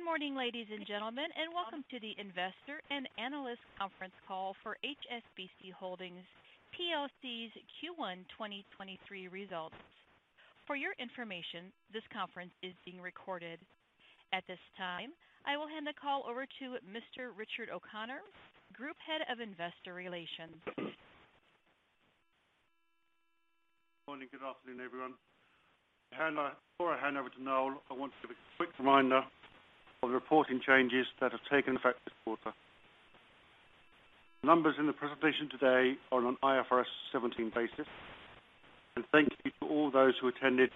Good morning, ladies and gentlemen, and welcome to the Investor and Analyst Conference Call for HSBC Holdings plc's Q1 2023 results. For your information, this conference is being recorded. At this time, I will hand the call over to Mr. Richard O'Connor, Group Head of Investor Relations. Morning, good afternoon, everyone. Before I hand over to Noel, I want to give a quick reminder of the reporting changes that have taken effect this quarter. Numbers in the presentation today are on an IFRS 17 basis. Thank you to all those who attended.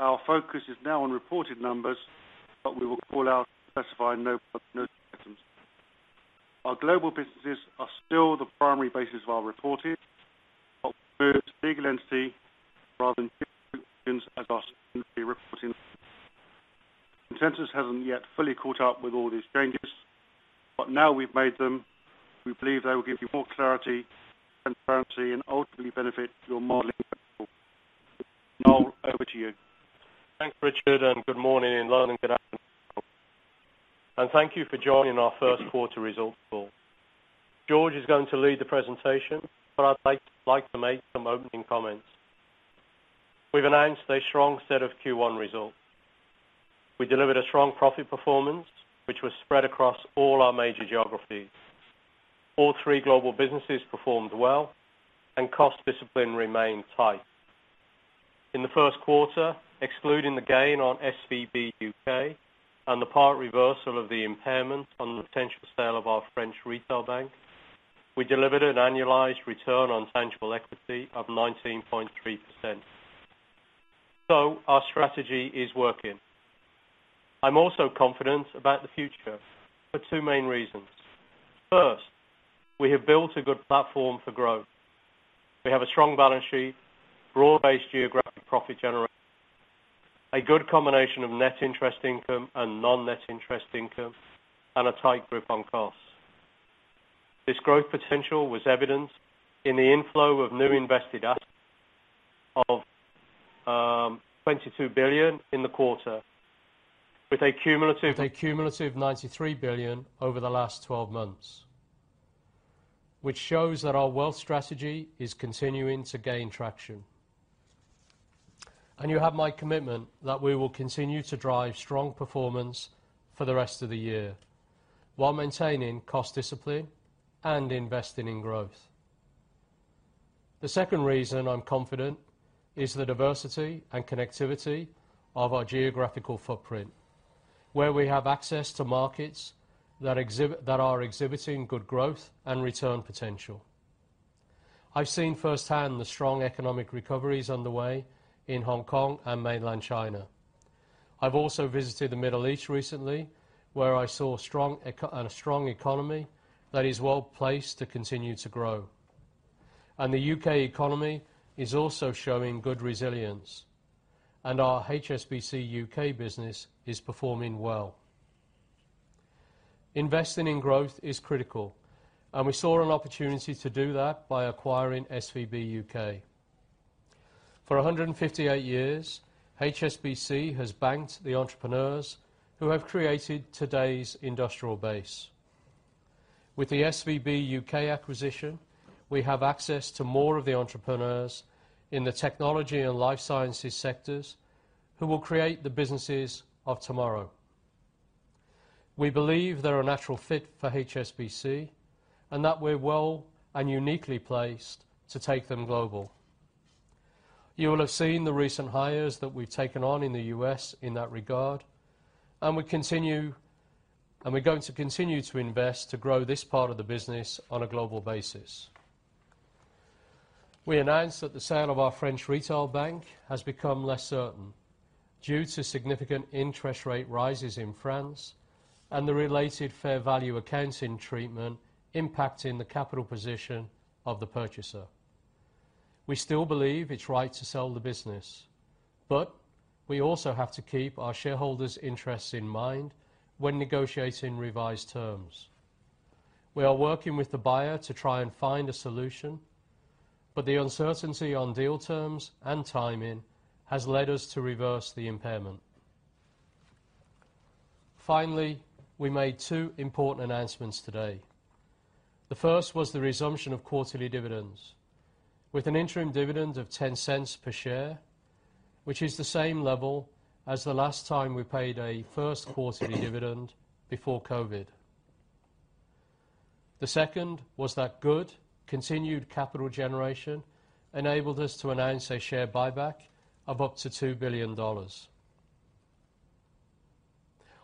Our focus is now on reported numbers, but we will call out specified notes. Our global businesses are still the primary basis while reporting of legal entity rather than as our reporting. Consensus hasn't yet fully caught up with all these changes, but now we've made them, we believe they will give you more clarity, transparency and ultimately benefit your modeling. Noel, over to you. Thanks, Richard, good morning and welcome. Thank you for joining our first quarter results call. Georges is going to lead the presentation, but I'd like to make some opening comments. We've announced a strong set of Q1 results. We delivered a strong profit performance, which was spread across all our major geographies. All three global businesses performed well and cost discipline remained tight. In the first quarter, excluding the gain on SVB U.K. and the part reversal of the impairment on the potential sale of our French retail bank, we delivered an annualized return on tangible equity of 19.3%. Our strategy is working. I'm also confident about the future for two main reasons. First, we have built a good platform for growth. We have a strong balance sheet, broad-based geographic profit generation, a good combination of net interest income and non-net interest income, and a tight grip on costs. This growth potential was evident in the inflow of new invested assets of $22 billion in the quarter, with a cumulative $93 billion over the last 12 months, which shows that our Wealth strategy is continuing to gain traction. You have my commitment that we will continue to drive strong performance for the rest of the year while maintaining cost discipline and investing in growth. The second reason I'm confident is the diversity and connectivity of our geographical footprint, where we have access to markets that are exhibiting good growth and return potential. I've seen firsthand the strong economic recoveries underway in Hong Kong and mainland China. I've also visited the Middle East recently, where I saw a strong economy that is well-placed to continue to grow. The U.K. economy is also showing good resilience, and our HSBC U.K. business is performing well. Investing in growth is critical, and we saw an opportunity to do that by acquiring SVB U.K. For 158 years, HSBC has banked the entrepreneurs who have created today's industrial base. With the SVB U.K. acquisition, we have access to more of the entrepreneurs in the technology and life sciences sectors who will create the businesses of tomorrow. We believe they're a natural fit for HSBC and that we're well and uniquely placed to take them global. You will have seen the recent hires that we've taken on in the U.S. in that regard, and we're going to continue to invest to grow this part of the business on a global basis. We announced that the sale of our French retail bank has become less certain due to significant interest rate rises in France and the related fair value accounting treatment impacting the capital position of the purchaser. We still believe it's right to sell the business, but we also have to keep our shareholders' interests in mind when negotiating revised terms. We are working with the buyer to try and find a solution, but the uncertainty on deal terms and timing has led us to reverse the impairment. Finally, we made two important announcements today. The first was the resumption of quarterly dividends with an interim dividend of $0.10 per share, which is the same level as the last time we paid a first quarter dividend before COVID. The second was that good continued capital generation enabled us to announce a share buyback of up to $2 billion.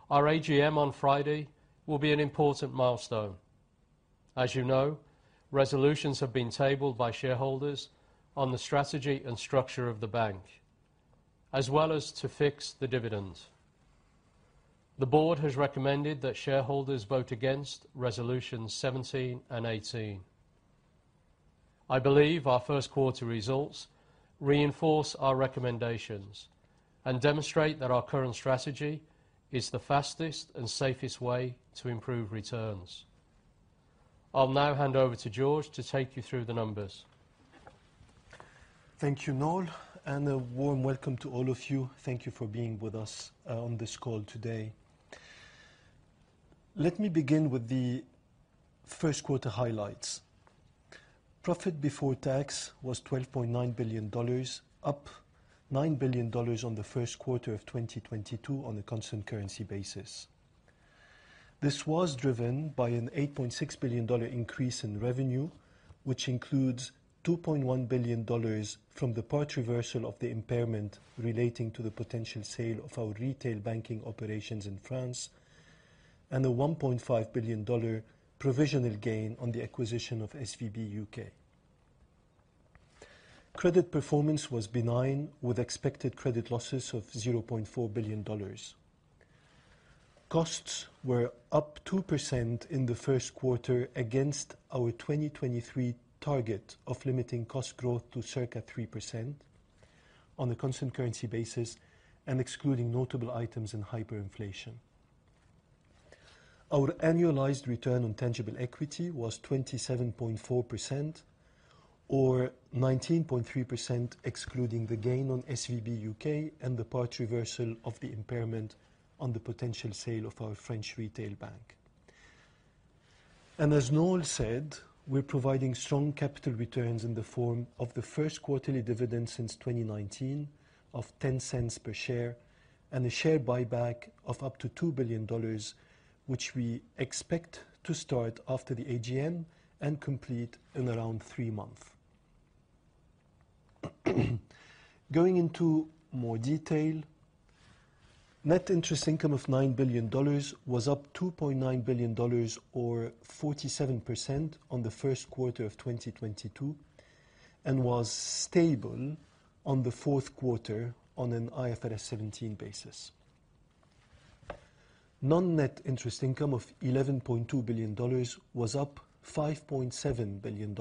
Our AGM on Friday will be an important milestone. As you know, resolutions have been tabled by shareholders on the strategy and structure of the bank, as well as to fix the dividend. The board has recommended that shareholders vote against resolutions 17 and 18. I believe our first quarter results reinforce our recommendations and demonstrate that our current strategy is the fastest and safest way to improve returns. I'll now hand over to Georges to take you through the numbers. Thank you, Noel. A warm welcome to all of you. Thank you for being with us on this call today. Let me begin with the first quarter highlights. Profit before tax was $12.9 billion, up $9 billion on the first quarter of 2022 on a constant currency basis. This was driven by an $8.6 billion increase in revenue, which includes $2.1 billion from the part reversal of the impairment relating to the potential sale of our retail banking operations in France and a $1.5 billion provisional gain on the acquisition of SVB U.K. Credit performance was benign, with expected credit losses of $0.4 billion. Costs were up 2% in the first quarter against our 2023 target of limiting cost growth to circa 3% on a constant currency basis and excluding notable items and hyperinflation. Our annualized return on tangible equity was 27.4% or 19.3% excluding the gain on SVB U.K. and the part reversal of the impairment on the potential sale of our French retail bank. As Noel said, we're providing strong capital returns in the form of the first quarterly dividend since 2019 of $0.10 per share and a share buyback of up to $2 billion, which we expect to start after the AGM and complete in around three months. Going into more detail, net interest income of $9 billion was up $2.9 billion or 47% on the first quarter of 2022, and was stable on the fourth quarter on an IFRS 17 basis. non-net interest income of $11.2 billion was up $5.7 billion,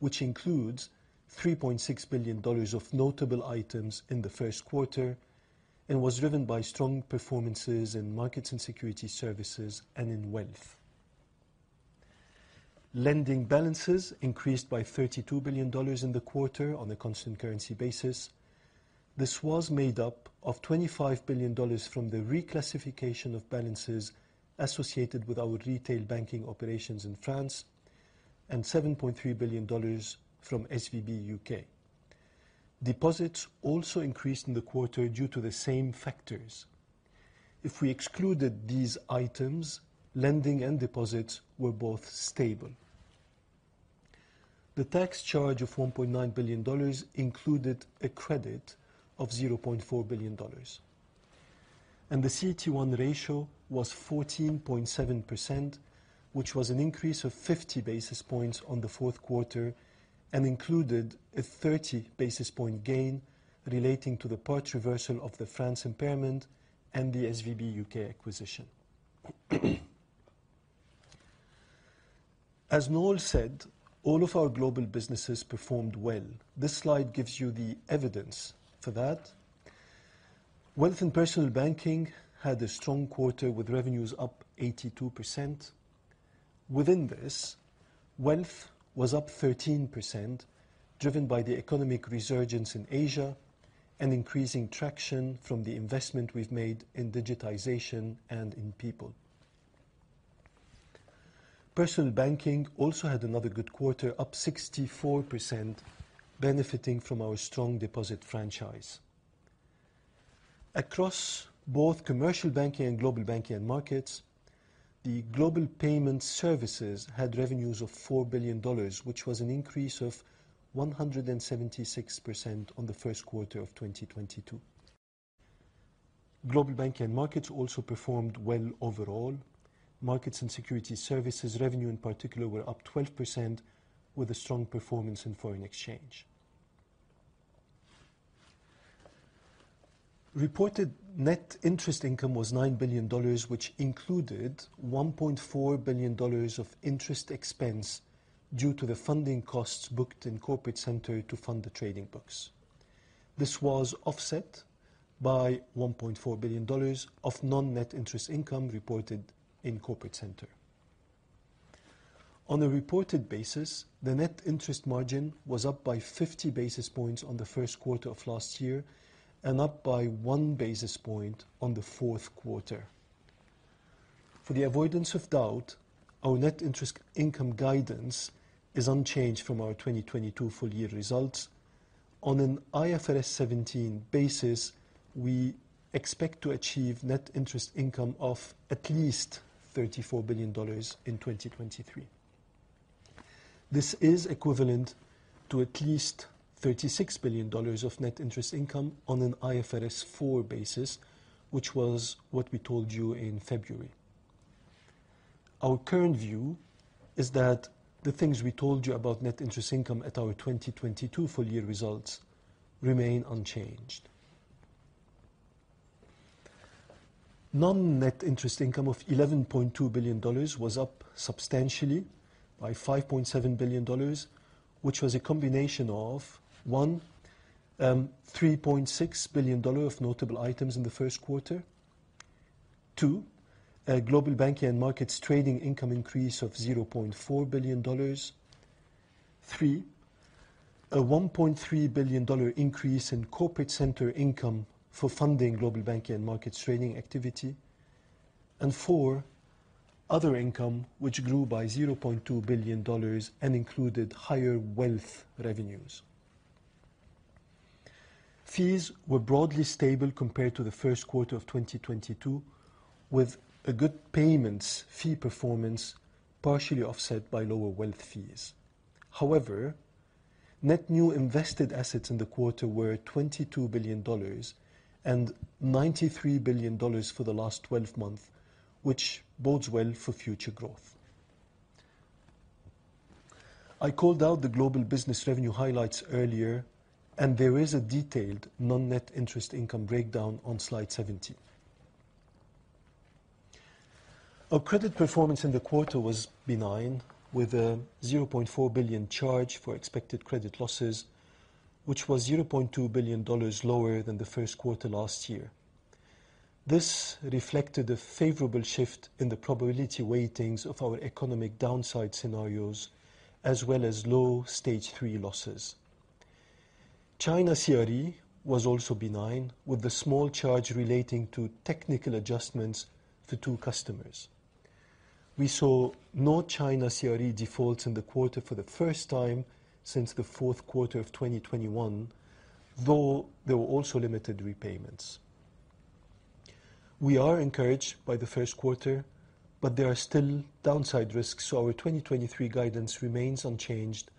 which includes $3.6 billion of notable items in the first quarter and was driven by strong performances in Markets & Securities Services and in Wealth. Lending balances increased by $32 billion in the quarter on a constant currency basis. This was made up of $25 billion from the reclassification of balances associated with our retail banking operations in France, and $7.3 billion from SVB U.K. Deposits also increased in the quarter due to the same factors. If we excluded these items, lending and deposits were both stable. The tax charge of $1.9 billion included a credit of $0.4 billion. The CET1 ratio was 14.7%, which was an increase of 50 basis points on the fourth quarter and included a 30 basis point gain relating to the part reversal of the France impairment and the SVB U.K. acquisition. As Noel said, all of our global businesses performed well. This slide gives you the evidence for that. Wealth and Personal Banking had a strong quarter with revenues up 82%. Within this, Wealth was up 13%, driven by the economic resurgence in Asia and increasing traction from the investment we've made in digitization and in people. Personal Banking also had another good quarter, up 64%, benefiting from our strong deposit franchise. Across both Commercial Banking and Global Banking and Markets, the Global Payments Solutions had revenues of $4 billion, which was an increase of 176% on the first quarter of 2022. Global Banking and Markets also performed well overall. Markets & Securities Services revenue in particular were up 12% with a strong performance in foreign exchange. Reported net interest income was $9 billion, which included $1.4 billion of interest expense due to the funding costs booked in Corporate Centre to fund the trading books. This was offset by $1.4 billion of non-net interest income reported in Corporate Centre. On a reported basis, the net interest margin was up by 50 basis points on the first quarter of last year and up by 1 basis point on the fourth quarter. For the avoidance of doubt, our net interest income guidance is unchanged from our 2022 full year results. On an IFRS 17 basis, we expect to achieve net interest income of at least $34 billion in 2023. This is equivalent to at least $36 billion of net interest income on an IFRS 4 basis, which was what we told you in February. Our current view is that the things we told you about net interest income at our 2022 full year results remain unchanged. Non-net interest income of $11.2 billion was up substantially by $5.7 billion, which was a combination of, one, $3.6 billion of notable items in the first quarter. Two, a Global Banking and Markets trading income increase of $0.4 billion. Three, a $1.3 billion increase in Corporate Centre income for funding Global Banking and Markets trading activity. Four, other income, which grew by $0.2 billion and included higher Wealth revenues. Fees were broadly stable compared to the first quarter of 2022, with a good payments fee performance partially offset by lower Wealth fees. Net new invested assets in the quarter were $22 billion and $93 billion for the last 12 months, which bodes well for future growth. I called out the global business revenue highlights earlier. There is a detailed non-net interest income breakdown on slide 17. Our credit performance in the quarter was benign, with a $0.4 billion charge for expected credit losses, which was $0.2 billion lower than the first quarter last year. This reflected a favorable shift in the probability weightings of our economic downside scenarios as well as low stage 3 losses. China CRE was also benign, with a small charge relating to technical adjustments for two customers. We saw no China CRE defaults in the quarter for the first time since the fourth quarter of 2021, though there were also limited repayments. We are encouraged by the first quarter. There are still downside risks. Our 2023 guidance remains unchanged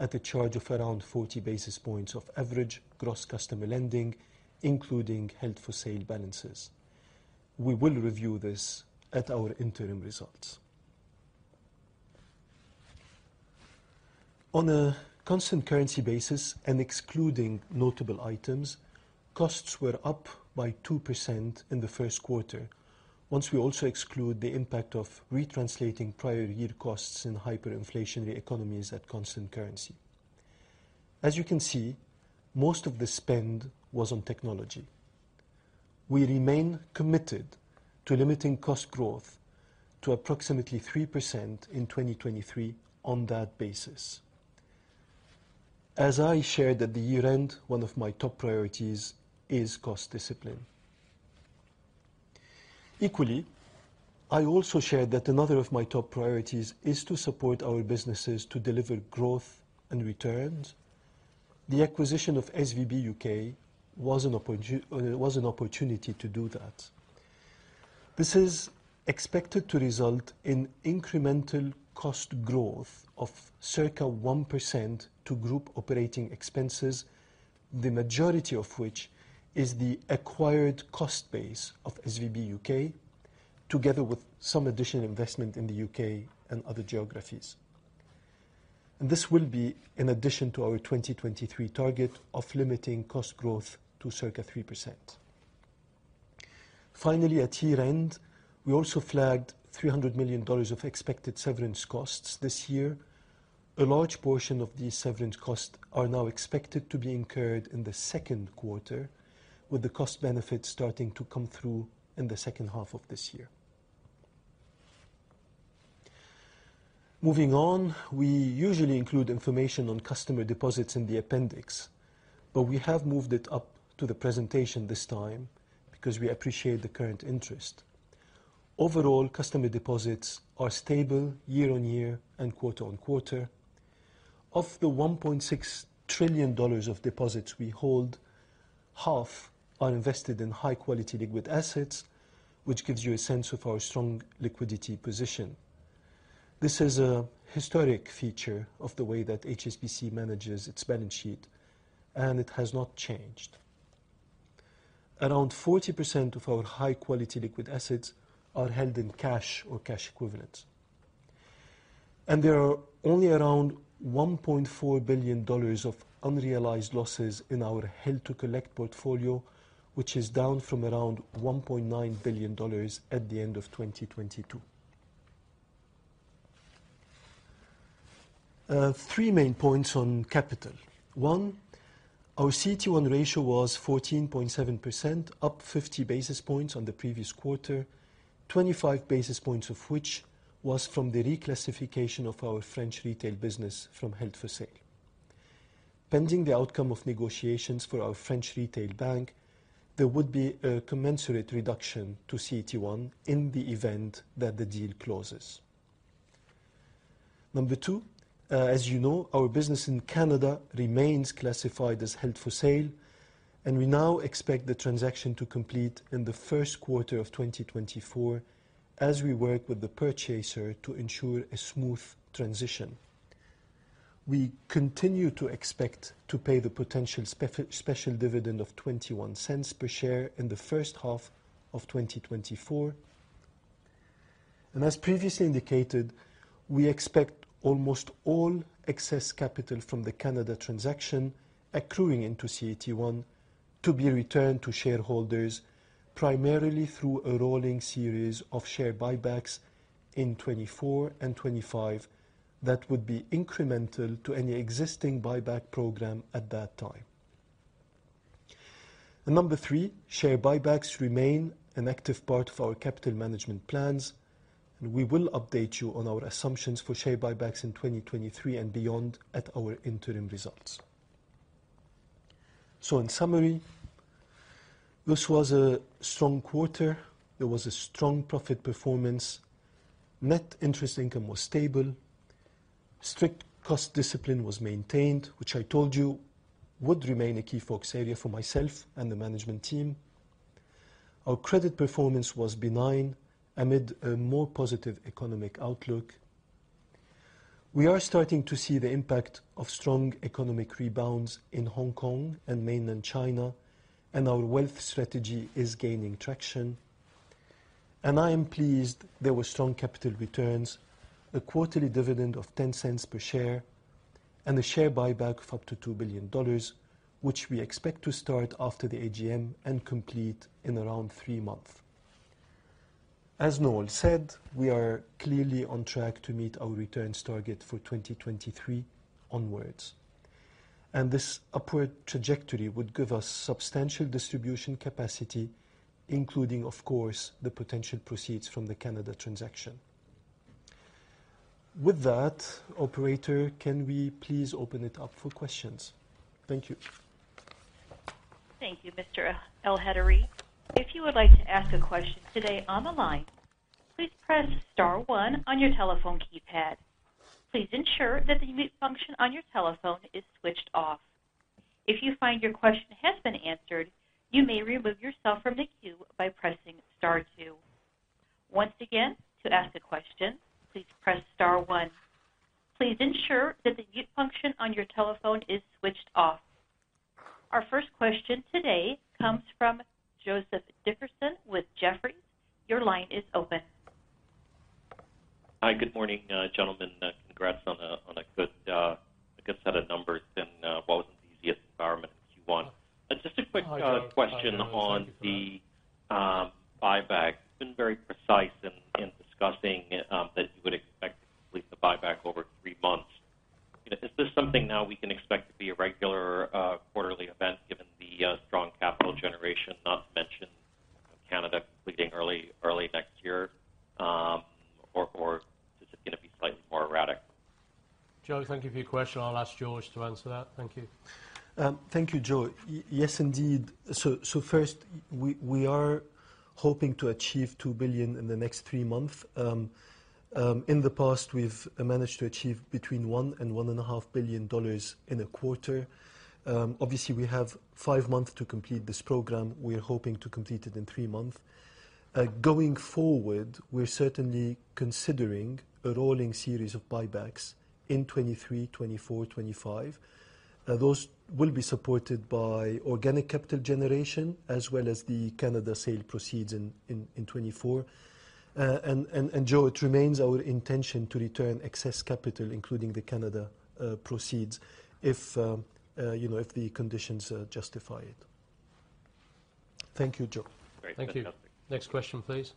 at a charge of around 40 basis points of average gross customer lending, including held for sale balances. We will review this at our interim results. On a constant currency basis, excluding notable items, costs were up by 2% in the first quarter once we also exclude the impact of retranslating prior year costs in hyperinflationary economies at constant currency. As you can see, most of the spend was on technology. We remain committed to limiting cost growth to approximately 3% in 2023 on that basis. As I shared at the year-end, one of my top priorities is cost discipline. Equally, I also shared that another of my top priorities is to support our businesses to deliver growth and returns. The acquisition of SVB U.K. was an opportunity to do that. This is expected to result in incremental cost growth of circa 1% to group operating expenses, the majority of which is the acquired cost base of SVB U.K., together with some additional investment in the U.K. and other geographies. This will be in addition to our 2023 target of limiting cost growth to circa 3%. At year-end, we also flagged $300 million of expected severance costs this year. A large portion of these severance costs are now expected to be incurred in the second quarter, with the cost benefits starting to come through in the second half of this year. Moving on, we usually include information on customer deposits in the appendix, we have moved it up to the presentation this time because we appreciate the current interest. Overall, customer deposits are stable year-over-year and quarter-over-quarter. Of the $1.6 trillion of deposits we hold, half are invested in high-quality liquid assets, which gives you a sense of our strong liquidity position. This is a historic feature of the way that HSBC manages its balance sheet, it has not changed. Around 40% of our high-quality liquid assets are held in cash or cash equivalents. There are only around $1.4 billion of unrealized losses in our hold-to-collect-and-sell portfolio, which is down from around $1.9 billion at the end of 2022. Three main points on capital. One, our CET1 ratio was 14.7%, up 50 basis points on the previous quarter, 25 basis points of which was from the reclassification of our French retail business from held for sale. Pending the outcome of negotiations for our French retail bank, there would be a commensurate reduction to CET1 in the event that the deal closes. Number two, as you know, our business in Canada remains classified as held for sale, we now expect the transaction to complete in the first quarter of 2024 as we work with the purchaser to ensure a smooth transition. We continue to expect to pay the potential special dividend of $0.21 per share in the first half of 2024. As previously indicated, we expect almost all excess capital from the Canada transaction accruing into CET1 to be returned to shareholders, primarily through a rolling series of share buybacks in 2024 and 2025 that would be incremental to any existing buyback program at that time. Number three, share buybacks remain an active part of our capital management plans, and we will update you on our assumptions for share buybacks in 2023 and beyond at our interim results. In summary, this was a strong quarter. There was a strong profit performance. Net interest income was stable. Strict cost discipline was maintained, which I told you would remain a key focus area for myself and the management team. Our credit performance was benign amid a more positive economic outlook. We are starting to see the impact of strong economic rebounds in Hong Kong and Mainland China, and our Wealth strategy is gaining traction. I am pleased there were strong capital returns, a quarterly dividend of $0.10 per share, and a share buyback of up to $2 billion, which we expect to start after the AGM and complete in around three months. As Noel said, we are clearly on track to meet our returns target for 2023 onwards, and this upward trajectory would give us substantial distribution capacity, including, of course, the potential proceeds from the Canada transaction. With that, operator, can we please open it up for questions? Thank you. Thank you, Mr. Elhedery. If you would like to ask a question today on the line, please press star one on your telephone keypad. Please ensure that the mute function on your telephone is switched off. If you find your question has been answered, you may remove yourself from the queue by pressing star two. Once again, to ask a question, please press star one. Please ensure that the mute function on your telephone is switched off. Our first question today comes from Joseph Dickerson with Jefferies. Your line is open. Hi. Good morning, gentlemen. Congrats on a good, a good set of numbers and what was the easiest environment in Q1. Just a quick question on the buyback. It's been very precise in discussing, that you would expect to complete the buyback over three months. Is this something now we can expect to be a regular, quarterly event, given the strong capital generation, not to mention Canada completing early next year? Is it gonna be slightly more erratic? Joe, thank you for your question. I'll ask Georges to answer that. Thank you. Thank you, Joe. Yes, indeed. First, we are hoping to achieve $2 billion in the next three months. In the past, we've managed to achieve between $1 billion and $1.5 billion in a quarter. Obviously, we have five months to complete this program. We're hoping to complete it in three months. Going forward, we're certainly considering a rolling series of buybacks in 2023, 2024, 2025. Those will be supported by organic capital generation as well as the Canada sale proceeds in 2024. And Joe, it remains our intention to return excess capital, including the Canada proceeds, if, you know, if the conditions justify it. Thank you, Joe. Great. Thank you. Next question, please.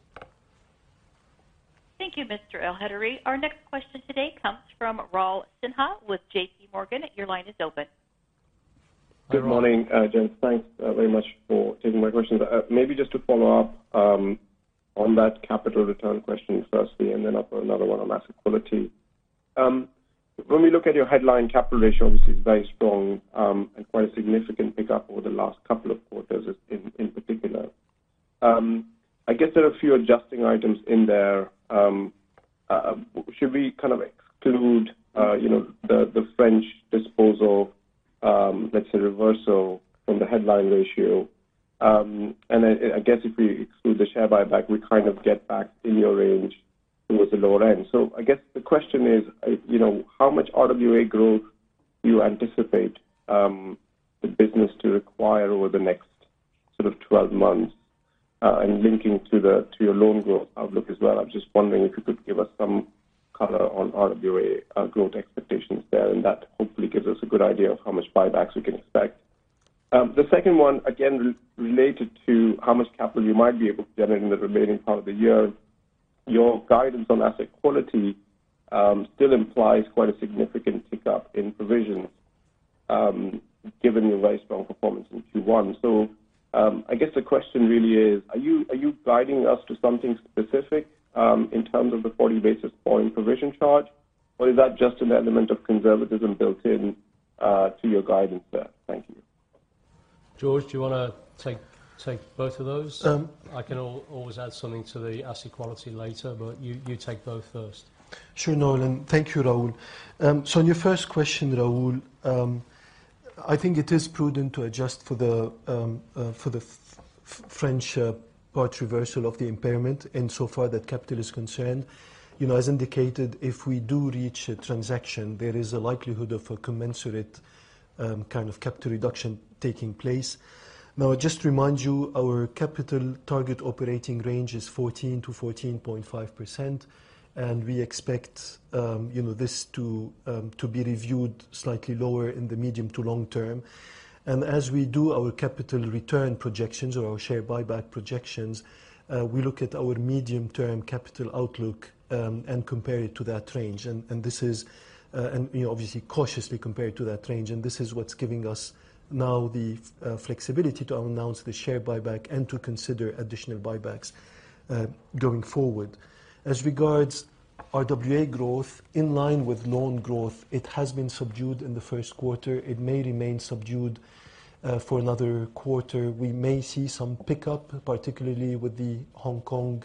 Thank you, Mr. Elhedery. Our next question today comes from Raul Sinha with JPMorgan. Your line is open. Good morning, gents. Thanks very much for taking my questions. Maybe just to follow up on that capital return question firstly, and then another one on asset quality. When we look at your headline capital ratio, which is very strong, and quite a significant pick-up over the last couple of quarters in particular. I guess there are a few adjusting items in there. Should we kind of exclude, you know, the French disposal, let's say reversal from the headline ratio? I guess if we exclude the share buyback, we kind of get back in your range towards the lower end. I guess the question is, you know, how much RWA growth you anticipate, the business to require over the next sort of 12 months, and linking to the, to your loan growth outlook as well. I was just wondering if you could give us some color on RWA growth expectations there, and that hopefully gives us a good idea of how much buybacks we can expect. The second one, again, re-related to how much capital you might be able to generate in the remaining part of the year. Your guidance on asset quality, still implies quite a significant tick-up in provisions, given your very strong performance in Q1. I guess the question really is: Are you guiding us to something specific, in terms of the 40 basis point provision charge, or is that just an element of conservatism built in to your guidance there? Thank you. Georges, do you want to take both of those? I can always add something to the asset quality later, but you take both first. Sure, Noel. Thank you, Raul. On your first question, Raul, I think it is prudent to adjust for the French part reversal of the impairment insofar that capital is concerned. You know, as indicated, if we do reach a transaction, there is a likelihood of a commensurate kind of capital reduction taking place. Just to remind you, our capital target operating range is 14%-14.5%, and we expect, you know, this to be reviewed slightly lower in the medium to long term. As we do our capital return projections or our share buyback projections, we look at our medium-term capital outlook and compare it to that range. This is, you know, obviously cautiously compare it to that range. This is what's giving us now the flexibility to announce the share buyback and to consider additional buybacks, going forward. As regards RWA growth in line with loan growth. It has been subdued in the first quarter. It may remain subdued for another quarter. We may see some pickup, particularly with the Hong Kong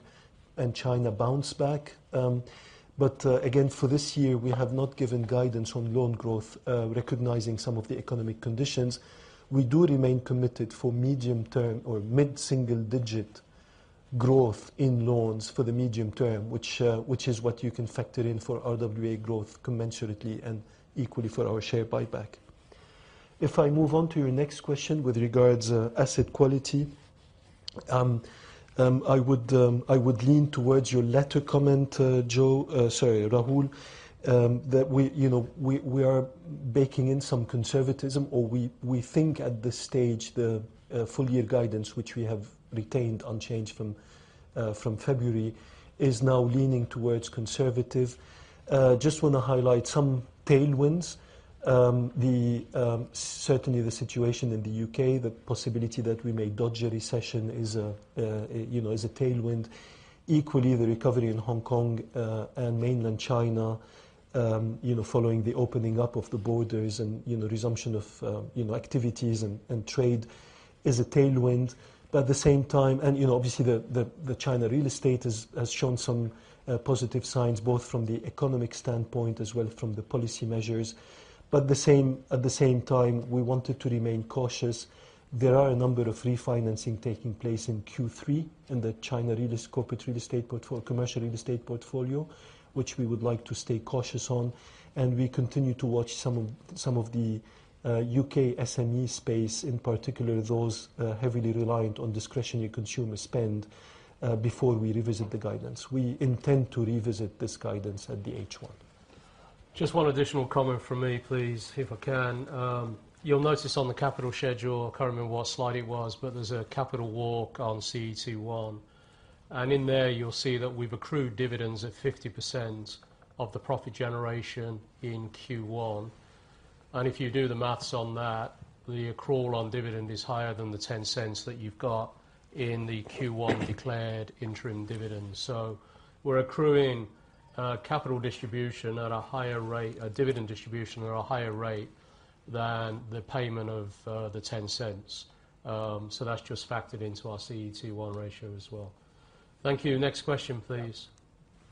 and China bounce back. Again, for this year we have not given guidance on loan growth, recognizing some of the economic conditions. We do remain committed for medium term or mid-single digit growth in loans for the medium term, which is what you can factor in for RWA growth commensurately and equally for our share buyback. If I move on to your next question with regards asset quality, I would lean towards your latter comment, Joe, sorry, Raul, that we, you know, we are baking in some conservatism, or we think at this stage the full year guidance, which we have retained unchanged from February, is now leaning towards conservative. Just wanna highlight some tailwinds. The certainly the situation in the U.K., the possibility that we may dodge a recession is a, you know, is a tailwind. Equally, the recovery in Hong Kong and mainland China, you know, following the opening up of the borders and, you know, resumption of, you know, activities and trade is a tailwind. At the same time and you know, obviously the China real estate has shown some positive signs both from the economic standpoint as well from the policy measures. At the same time, we wanted to remain cautious. There are a number of refinancing taking place in Q3 in the China real estate, corporate real estate commercial real estate portfolio, which we would like to stay cautious on. We continue to watch some of the U.K. SME space, in particular, those heavily reliant on discretionary consumer spend, before we revisit the guidance. We intend to revisit this guidance at the H1. Just one additional comment from me, please, if I can. You'll notice on the capital schedule, can't remember what slide it was, but there's a capital walk on CET1. In there you'll see that we've accrued dividends at 50% of the profit generation in Q1. If you do the maths on that, the accrual on dividend is higher than the $0.10 that you've got in the Q1 declared interim dividend. We're accruing capital distribution at a higher rate, a dividend distribution at a higher rate than the payment of the $0.10. That's just factored into our CET1 ratio as well. Thank you. Next question, please.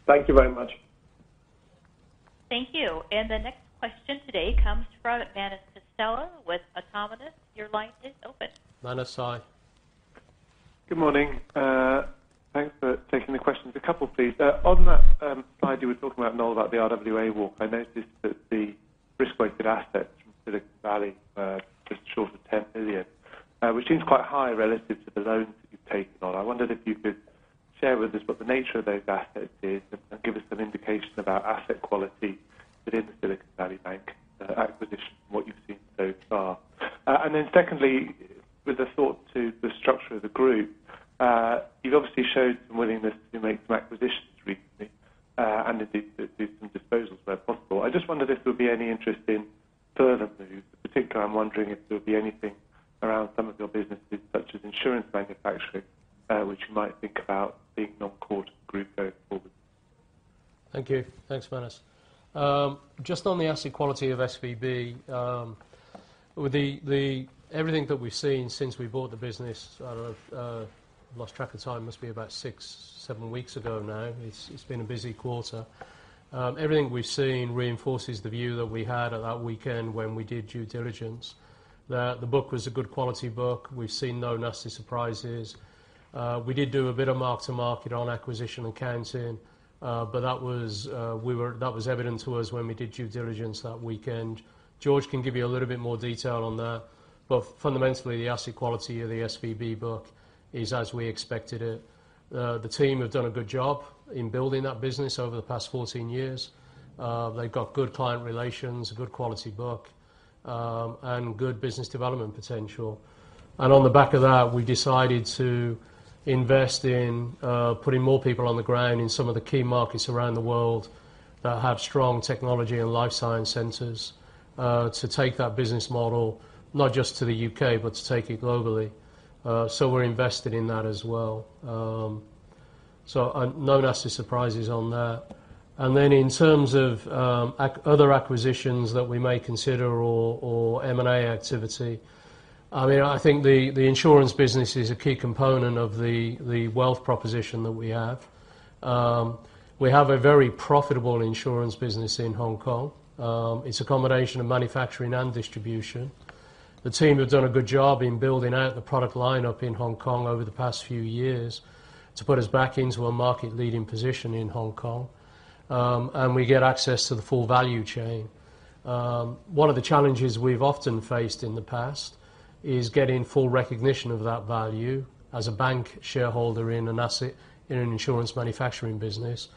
Thank you very much. Thank you. The next question today comes from Manus Costello with Autonomous. Your line is open. Manus, hi. Good morning. Thanks for taking the questions. A couple, please. On that slide you were talking about, Noel, about the RWA walk, I noticed that the risk-weighted assets from Silicon Valley were just short of $10 billion, which seems quite high relative to the loans that you've taken on. I wondered if you could share with us what the nature of those assets is and give us some indication about asset quality within the Silicon Valley Bank acquisition from what you've seen so far. Secondly, with a thought to the structure of the group, you've obviously showed some willingness to make some acquisitions recently, and indeed do some disposals where possible. I just wonder if there would be any interest in further moves. In particular, I'm wondering if there would be anything around some of your businesses, such as insurance manufacturing, which you might think about being non-core to the group going forward. Thank you. Thanks, Manus. Just on the asset quality of SVB, everything that we've seen since we bought the business out of, lost track of time, must be about six, seven weeks ago now. It's been a busy quarter. Everything we've seen reinforces the view that we had at that weekend when we did due diligence, that the book was a good quality book. We've seen no nasty surprises. We did do a bit of mark-to-market on acquisition accounting, but that was evident to us when we did due diligence that weekend. Georges can give you a little bit more detail on that, but fundamentally, the asset quality of the SVB book is as we expected it. The team have done a good job in building that business over the past 14 years. They've got good client relations, a good quality book, and good business development potential. On the back of that, we decided to invest in putting more people on the ground in some of the key markets around the world that have strong technology and life science centers to take that business model not just to the U.K., but to take it globally. We're invested in that as well. No nasty surprises on that. Then in terms of other acquisitions that we may consider or M&A activity, I mean, I think the insurance business is a key component of the Wealth proposition that we have. We have a very profitable insurance business in Hong Kong. It's a combination of manufacturing and distribution. The team have done a good job in building out the product line up in Hong Kong over the past few years to put us back into a market-leading position in Hong Kong. We get access to the full value chain. One of the challenges we've often faced in the past is getting full recognition of that value as a bank shareholder in an asset, in an insurance manufacturing business.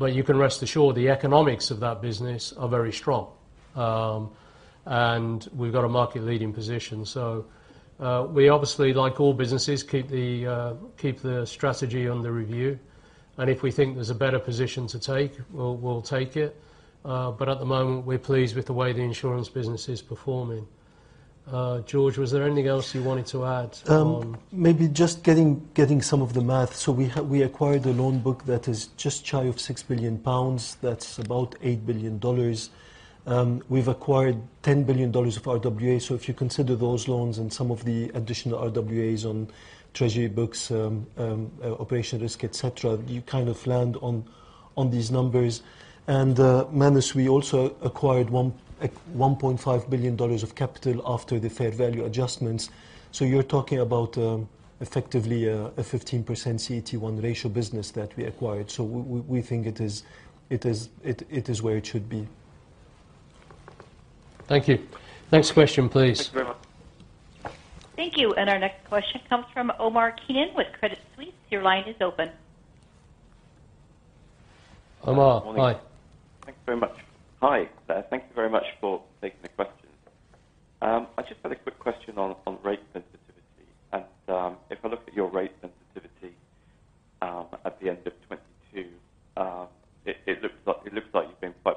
You can rest assured the economics of that business are very strong. We've got a market-leading position. We obviously, like all businesses, keep the strategy under review, and if we think there's a better position to take, we'll take it. At the moment, we're pleased with the way the insurance business is performing. Georges, was there anything else you wanted to add? Maybe just getting some of the math. We acquired a loan book that is just shy of 6 billion pounds, that's about $8 billion. We've acquired $10 billion of RWA. If you consider those loans and some of the additional RWAs on treasury books, operation risk, et cetera, you kind of land on these numbers. Manus, we also acquired $1.5 billion of capital after the fair value adjustments. You're talking about effectively a 15% CET1 ratio business that we acquired. We think it is where it should be. Thank you. Next question, please. Thank you very much. Thank you. Our next question comes from Omar Keenan with Credit Suisse. Your line is open. Omar, hi. Good morning. Thank you very much. Hi. Thank you very much for taking the questions. I just had a quick question on rate sensitivity. if I look at your rate sensitivity at the end of 2022, it looks like you've been quite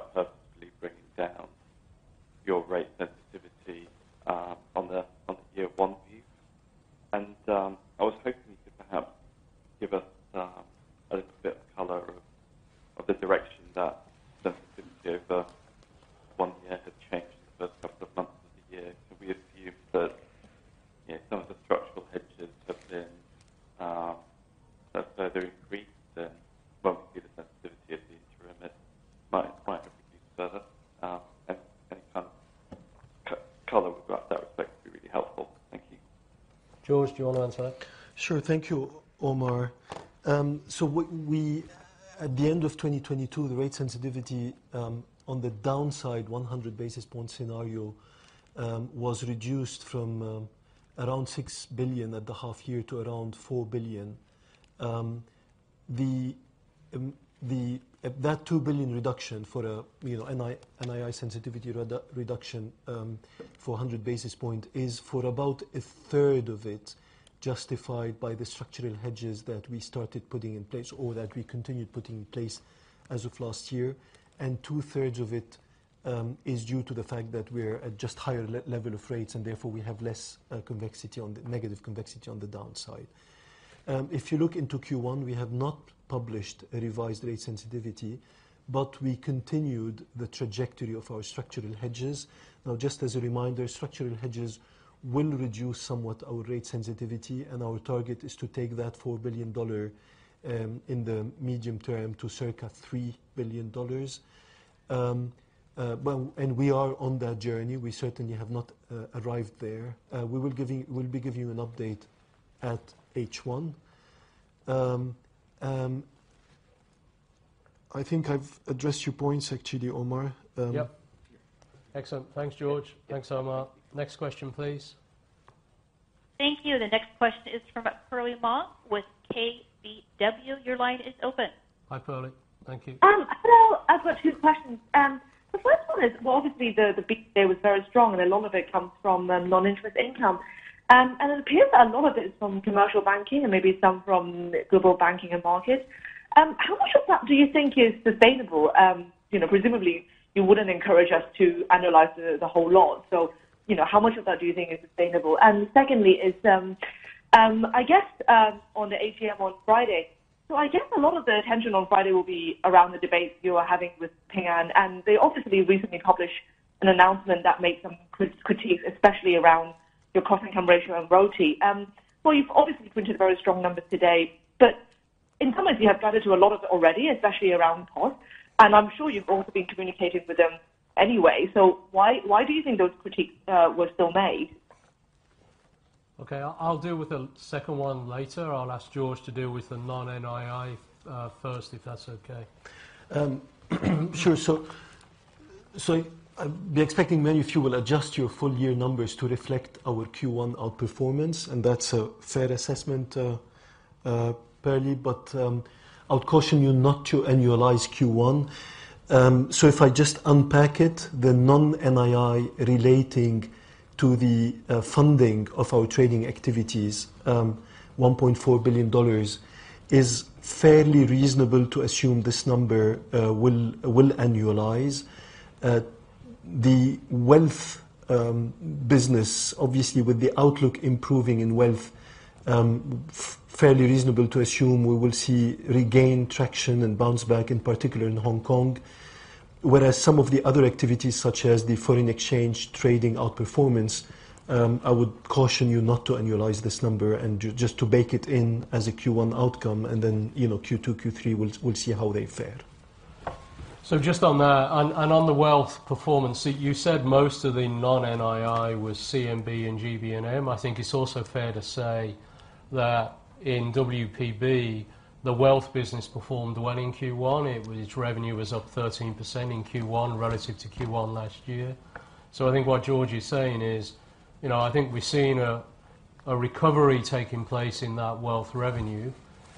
purposefully bringing down your rate sensitivity on the year 1 view. I was hoping you could perhaps give us a little bit of color of the direction that sensitivity over one year had changed in the first couple of months of the year. So we assume that, you know, some of the structural hedges have been further increased and well, the sensitivity at the interim is might have reduced further. any kind of color with that would be really helpful. Thank you. Georges, do you wanna answer? Sure. Thank you, Omar. At the end of 2022, the rate sensitivity on the downside 100 basis points scenario was reduced from around $6 billion at the half year to around $4 billion. That $2 billion reduction for a, you know, NII sensitivity reduction for 100 basis points is for about a third of it justified by the structural hedges that we started putting in place or that we continued putting in place as of last year. Two-thirds of it is due to the fact that we're at just higher level of rates, and therefore we have less convexity on the negative convexity on the downside. If you look into Q1, we have not published a revised rate sensitivity, but we continued the trajectory of our structural hedges. Just as a reminder, structural hedges will reduce somewhat our rate sensitivity, and our target is to take that $4 billion in the medium term to circa $3 billion. We are on that journey. We certainly have not arrived there. We'll be giving you an update at H1. I think I've addressed your points actually, Omar. Yep. Excellent. Thanks, Georges. Thanks, Omar. Next question, please. Thank you. The next question is from Perlie Mong with KBW. Your line is open. Hi, Perlie. Thank you. Hello. I've got two questions. The first one is, well, obviously the beat there was very strong, and a lot of it comes from non-interest income. It appears that a lot of it is from Commercial Banking and maybe some from Global Banking and Markets. How much of that do you think is sustainable? You know, presumably, you wouldn't encourage us to annualize it a whole lot. You know, how much of that do you think is sustainable? Secondly is, I guess, on the AGM on Friday. I guess a lot of the attention on Friday will be around the debates you are having with Ping An, and they obviously recently published an announcement that made some critiques, especially around your cost income ratio and RoTE. Well, you've obviously printed very strong numbers today, but in some ways you have gathered to a lot of it already, especially around costs. I'm sure you've also been communicating with them anyway. Why do you think those critiques were still made? Okay. I'll deal with the second one later. I'll ask Georges to deal with the non-NII first, if that's okay. Sure. I'd be expecting many of you will adjust your full year numbers to reflect our Q1 outperformance, that's a fair assessment, Perlie. I would caution you not to annualize Q1. If I just unpack it, the non-NII relating to the funding of our trading activities, $1.4 billion is fairly reasonable to assume this number will annualize. The Wealth business, obviously with the outlook improving in Wealth, fairly reasonable to assume we will see regained traction and bounce back, in particular in Hong Kong. Some of the other activities, such as the foreign exchange trading outperformance, I would caution you not to annualize this number and just to bake it in as a Q1 outcome, you know, Q2, Q3, we'll see how they fare. Just on that and on the Wealth performance, you said most of the non-NII was CMB and GBM. I think it's also fair to say that in WPB, the Wealth business performed well in Q1. Its revenue was up 13% in Q1 relative to Q1 last year. I think what Georges is saying is, you know, I think we've seen a recovery taking place in that Wealth revenue.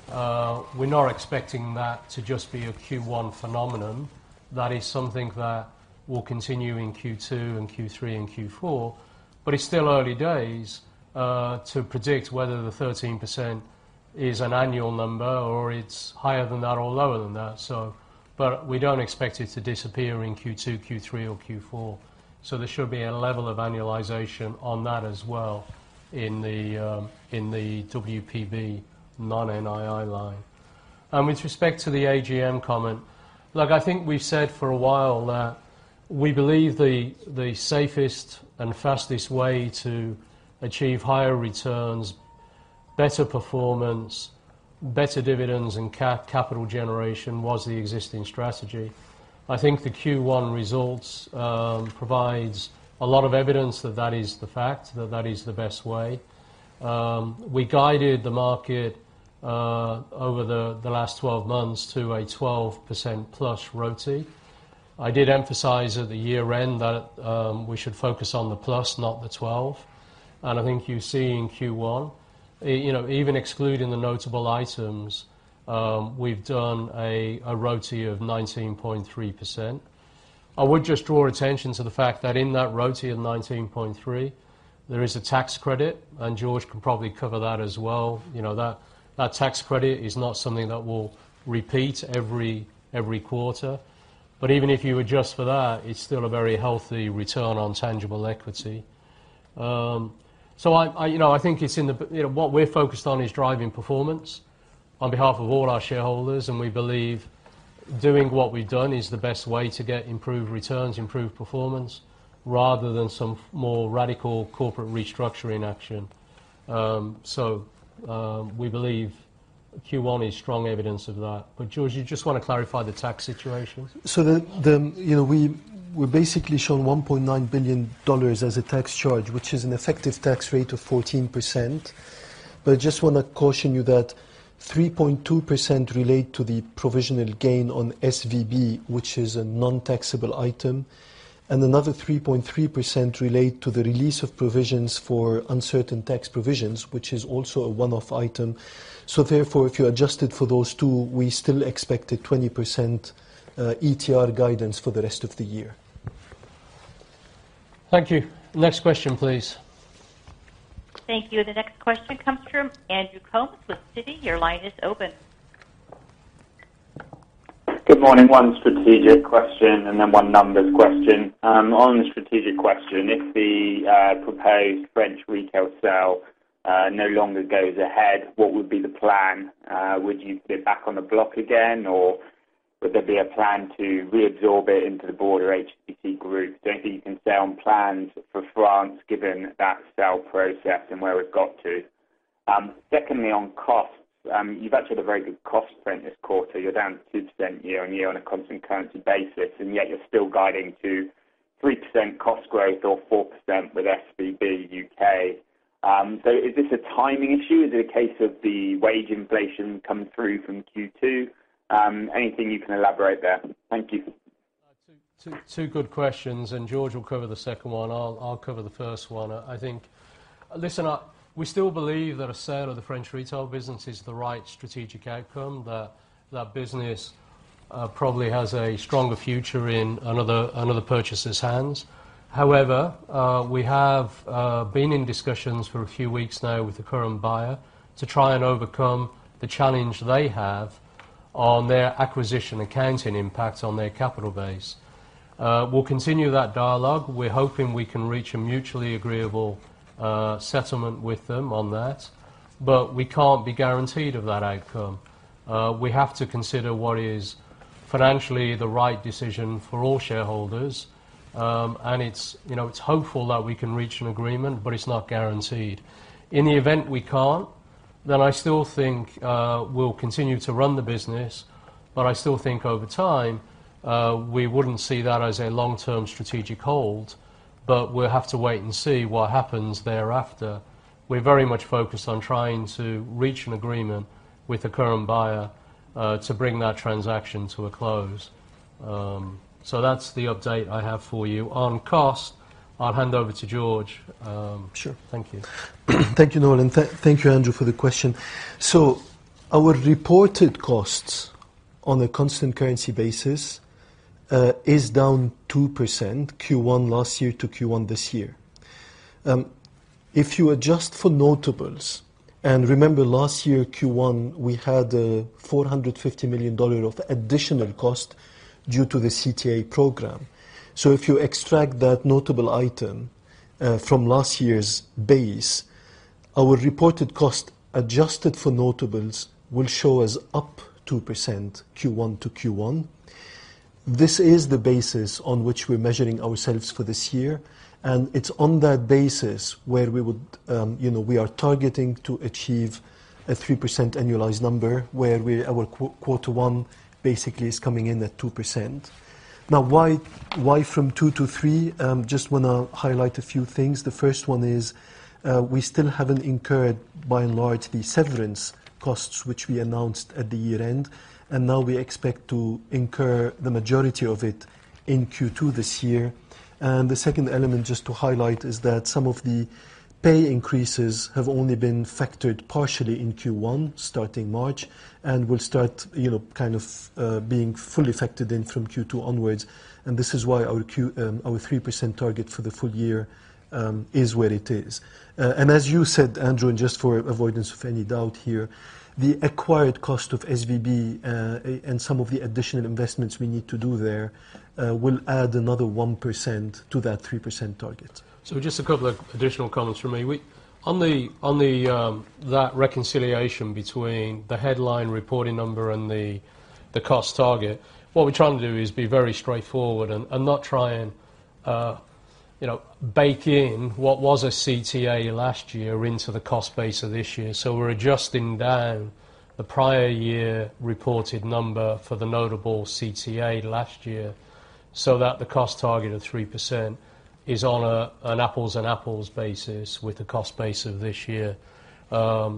We're not expecting that to just be a Q1 phenomenon. That is something that will continue in Q2 and Q3 and Q4. It's still early days to predict whether the 13% is an annual number, or it's higher than that or lower than that. We don't expect it to disappear in Q2, Q3, or Q4. There should be a level of annualization on that as well in the WPB non-NII line. With respect to the AGM comment, look, I think we've said for a while that we believe the safest and fastest way to achieve higher returns, better performance, better dividends, and capital generation was the existing strategy. I think the Q1 results provides a lot of evidence that that is the fact, that that is the best way. We guided the market over the last 12 months to a 12% plus RoTE I did emphasize at the year-end that we should focus on the plus, not the 12, and I think you see in Q1, you know, even excluding the notable items, we've done a RoTE of 19.3%. I would just draw attention to the fact that in that RoTE of 19.3, there is a tax credit, and Georges can probably cover that as well. You know, that tax credit is not something that will repeat every quarter. Even if you adjust for that, it's still a very healthy return on tangible equity. I, you know, I think it's in the you know, what we're focused on is driving performance on behalf of all our shareholders, and we believe doing what we've done is the best way to get improved returns, improved performance, rather than some more radical corporate restructuring action. We believe Q1 is strong evidence of that. Georges, you just wanna clarify the tax situation. The, you know, we basically shown $1.9 billion as a tax charge, which is an effective tax rate of 14%. I just wanna caution you that 3.2% relate to the provisional gain on SVB, which is a non-taxable item, and another 3.3% relate to the release of provisions for uncertain tax provisions, which is also a one-off item. Therefore, if you adjust it for those two, we still expect a 20% ETR guidance for the rest of the year. Thank you. Next question, please. Thank you. The next question comes from Andrew Coombs with Citi. Your line is open. Good morning. One strategic question and then one numbers question. On the strategic question, if the proposed French retail sale no longer goes ahead, what would be the plan? Would you be back on the block again, or would there be a plan to reabsorb it into the broader HSBC group? Don't think you can say on plans for France given that sale process and where we've got to. Secondly, on costs, you've actually had a very good cost trend this quarter. You're down 2% year on year on a constant currency basis, and yet you're still guiding to 3% cost growth or 4% with SVB U.K. Is this a timing issue? Is it a case of the wage inflation coming through from Q2? Anything you can elaborate there? Thank you. Two good questions. Georges will cover the second one. I'll cover the first one. Listen, we still believe that a sale of the French retail business is the right strategic outcome, that business probably has a stronger future in another purchaser's hands. However, we have been in discussions for a few weeks now with the current buyer to try and overcome the challenge they have on their acquisition accounting impact on their capital base. We'll continue that dialogue. We're hoping we can reach a mutually agreeable settlement with them on that, but we can't be guaranteed of that outcome. We have to consider what is financially the right decision for all shareholders. It's, you know, it's hopeful that we can reach an agreement, but it's not guaranteed. In the event we can't, then I still think, we'll continue to run the business, but I still think over time, we wouldn't see that as a long-term strategic hold. We'll have to wait and see what happens thereafter. We're very much focused on trying to reach an agreement with the current buyer, to bring that transaction to a close. That's the update I have for you. On cost, I'll hand over to Georges. Sure. Thank you. Thank you, Noel, thank you, Andrew, for the question. Our reported costs on a constant currency basis is down 2% Q1 last year to Q1 this year. If you adjust for notables, remember last year Q1, we had $450 million of additional cost due to the CTA program. If you extract that notable item from last year's base, our reported cost adjusted for notables will show us up 2% Q1 to Q1. This is the basis on which we're measuring ourselves for this year, it's on that basis where we would, you know, we are targeting to achieve a 3% annualized number where our quarter one basically is coming in at 2%. Why from 2% to 3%? Just want to highlight a few things. The first one is, we still haven't incurred by and large the severance costs, which we announced at the year-end, now we expect to incur the majority of it in Q2 this year. The second element, just to highlight, is that some of the pay increases have only been factored partially in Q1, starting March, and will start, you know, kind of, being fully factored in from Q2 onwards, and this is why our Q, our 3% target for the full year, is where it is. As you said, Andrew, and just for avoidance of any doubt here, the acquired cost of SVB, and some of the additional investments we need to do there, will add another 1% to that 3% target. Just a couple of additional comments from me. On the that reconciliation between the headline reporting number and the cost target, what we're trying to do is be very straightforward and not try and, you know, baked in what was a CTA last year into the cost base of this year. We're adjusting down the prior year reported number for the notable CTA last year, so that the cost target of 3% is on an apples and apples basis with the cost base of this year. We're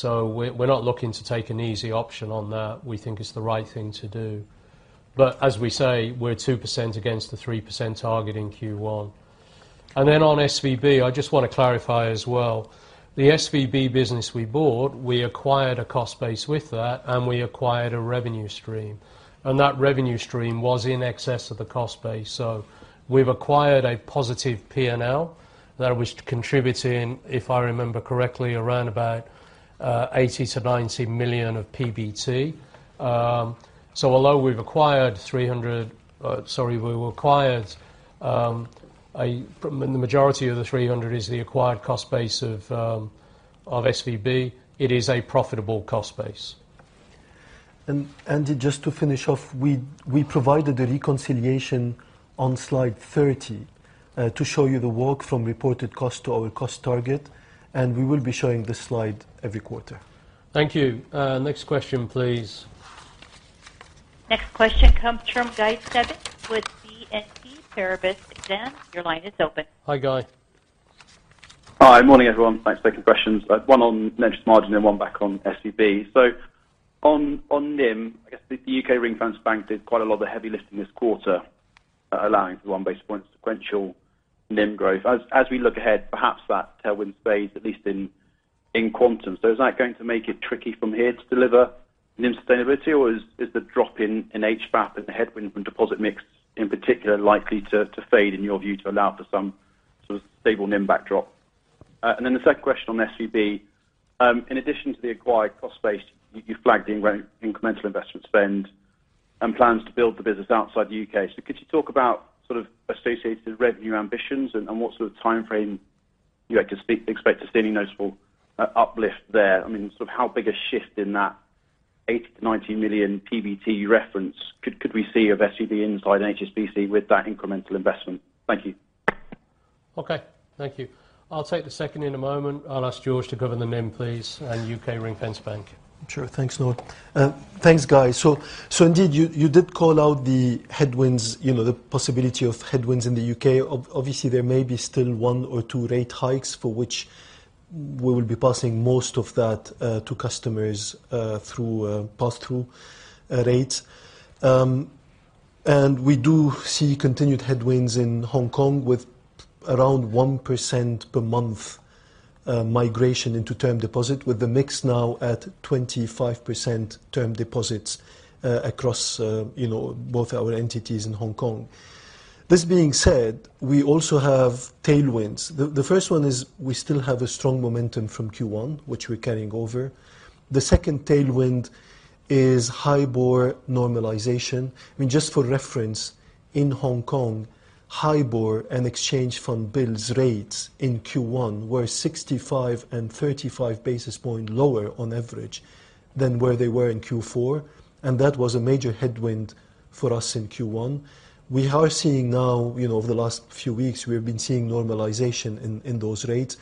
not looking to take an easy option on that. We think it's the right thing to do. As we say, we're 2% against the 3% target in Q1. On SVB, I just wanna clarify as well. The SVB business we bought, we acquired a cost base with that, and we acquired a revenue stream. That revenue stream was in excess of the cost base. We've acquired a positive P&L that was contributing, if I remember correctly, around about, $80 million-$90 million of PBT. Although we've acquired $300 million. From the majority of the $300 million is the acquired cost base of SVB, it is a profitable cost base. Just to finish off, we provided the reconciliation on slide 30 to show you the work from reported cost to our cost target. We will be showing this slide every quarter. Thank you. Next question, please. Next question comes from Guy Stebbings with BNP Paribas Exane. Your line is open. Hi, Guy. Hi. Morning, everyone. Thanks for taking questions. One on net interest margin and one back on SVB. On NIM, I guess the U.K. ring-fenced bank did quite a lot of the heavy lifting this quarter, allowing for 1 basis point sequential NIM growth. As we look ahead, perhaps that tailwind fades, at least in quantum. Is that going to make it tricky from here to deliver NIM sustainability, or is the drop in HFAP and the headwind from deposit mix, in particular, likely to fade in your view to allow for some sort of stable NIM backdrop? The second question on SVB. In addition to the acquired cost base, you flagged the incremental investment spend and plans to build the business outside the U.K. Could you talk about sort of associated revenue ambitions and what sort of timeframe you expect to see any noticeable uplift there? I mean, sort of how big a shift in that $8 million-$19 million PBT reference could we see of SVB inside HSBC with that incremental investment? Thank you. Okay. Thank you. I'll take the second in a moment. I'll ask Georges to cover the NIM, please, and U.K. ring-fenced bank. Sure. Thanks, Noel. Thanks, Guy. Indeed you did call out the headwinds, you know, the possibility of headwinds in the U.K.. Obviously, there may be still one or two rate hikes for which we will be passing most of that to customers through pass-through rates. We do see continued headwinds in Hong Kong with around 1% per month migration into term deposit, with the mix now at 25% term deposits across both our entities in Hong Kong. This being said, we also have tailwinds. The first one is we still have a strong momentum from Q1, which we're carrying over. The second tailwind is HIBOR normalization. I mean, just for reference, in Hong Kong, HIBOR and Exchange Fund Bills rates in Q1 were 65 and 35 basis points lower on average than where they were in Q4, and that was a major headwind for us in Q1. We are seeing now, you know, over the last few weeks, we have been seeing normalization in those rates.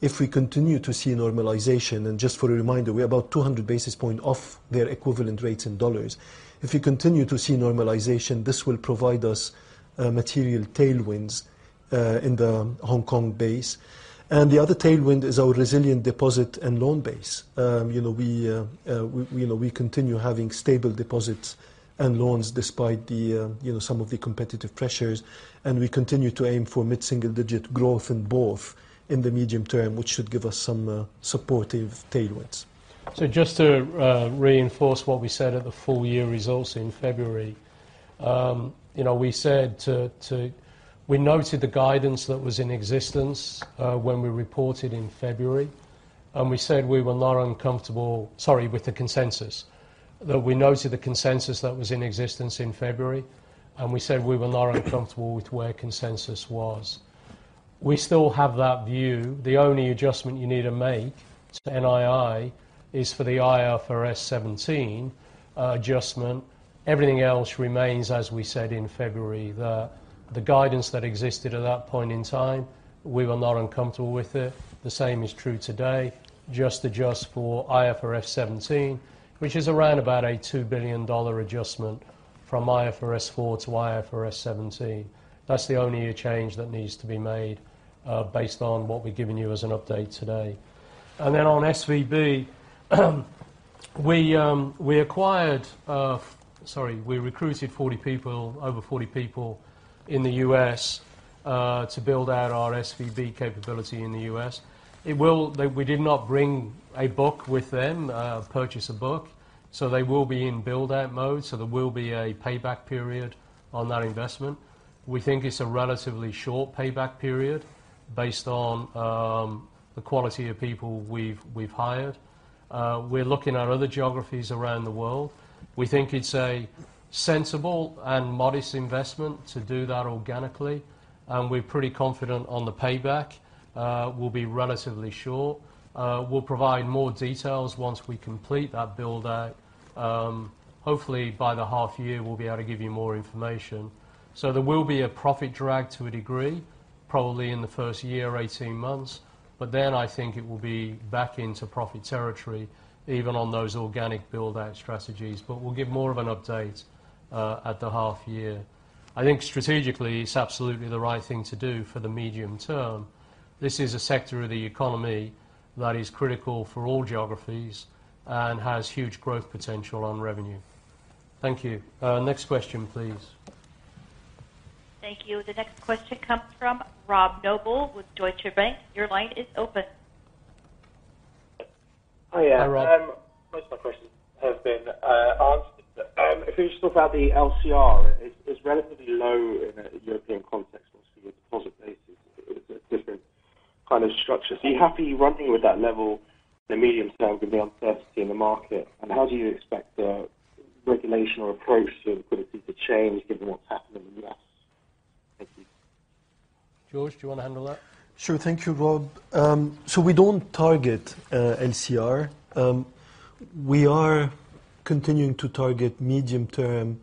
If we continue to see normalization, and just for a reminder, we're about 200 basis points off their equivalent rates in dollars. If we continue to see normalization, this will provide us material tailwinds in the Hong Kong base. The other tailwind is our resilient deposit and loan base and you know, we, you know, we continue having stable deposits and loans despite the, you know, some of the competitive pressures, and we continue to aim for mid-single digit growth in both in the medium term, which should give us some supportive tailwinds. Just to reinforce what we said at the full year results in February, you know, we noted the guidance that was in existence when we reported in February, and we said we were not uncomfortable. Sorry. With the consensus. We noted the consensus that was in existence in February, and we said we were not uncomfortable with where consensus was. We still have that view. The only adjustment you need to make to NII is for the IFRS 17 adjustment. Everything else remains as we said in February. The guidance that existed at that point in time, we were not uncomfortable with it. The same is true today. Just adjust for IFRS 17, which is around about a $2 billion adjustment from IFRS 4 to IFRS 17. That's the only change that needs to be made, based on what we've given you as an update today. On SVB, we acquired. Sorry. We recruited 40 people, over 40 people in the U.S., to build out our SVB capability in the U.S. We did not bring a book with them, purchase a book, so they will be in build-out mode, so there will be a payback period on that investment. We think it's a relatively short payback period based on the quality of people we've hired. We're looking at other geographies around the world. We think it's a sensible and modest investment to do that organically, and we're pretty confident on the payback. We'll be relatively sure. We'll provide more details once we complete that build-out. Hopefully, by the half year, we'll be able to give you more information. There will be a profit drag to a degree, probably in the first year, 18 months, but then I think it will be back into profit territory, even on those organic build-out strategies. We'll give more of an update at the half year. I think strategically, it's absolutely the right thing to do for the medium term. This is a sector of the economy that is critical for all geographies and has huge growth potential on revenue. Thank you. Next question, please. Thank you. The next question comes from Robert Noble with Deutsche Bank. Your line is open. Hi, Rob. Hi. Most of my questions have been asked. If we just talk about the LCR, it's relatively low in a European context, obviously, with deposit bases. It's a different kind of structure. Are you happy running with that level in the medium term with the uncertainty in the market? How do you expect the regulation or approach to liquidity to change given what's happening in the U.S.? Thank you. Georges, do you wanna handle that? Sure. Thank you, Rob. We don't target LCR. We are continuing to target medium-term,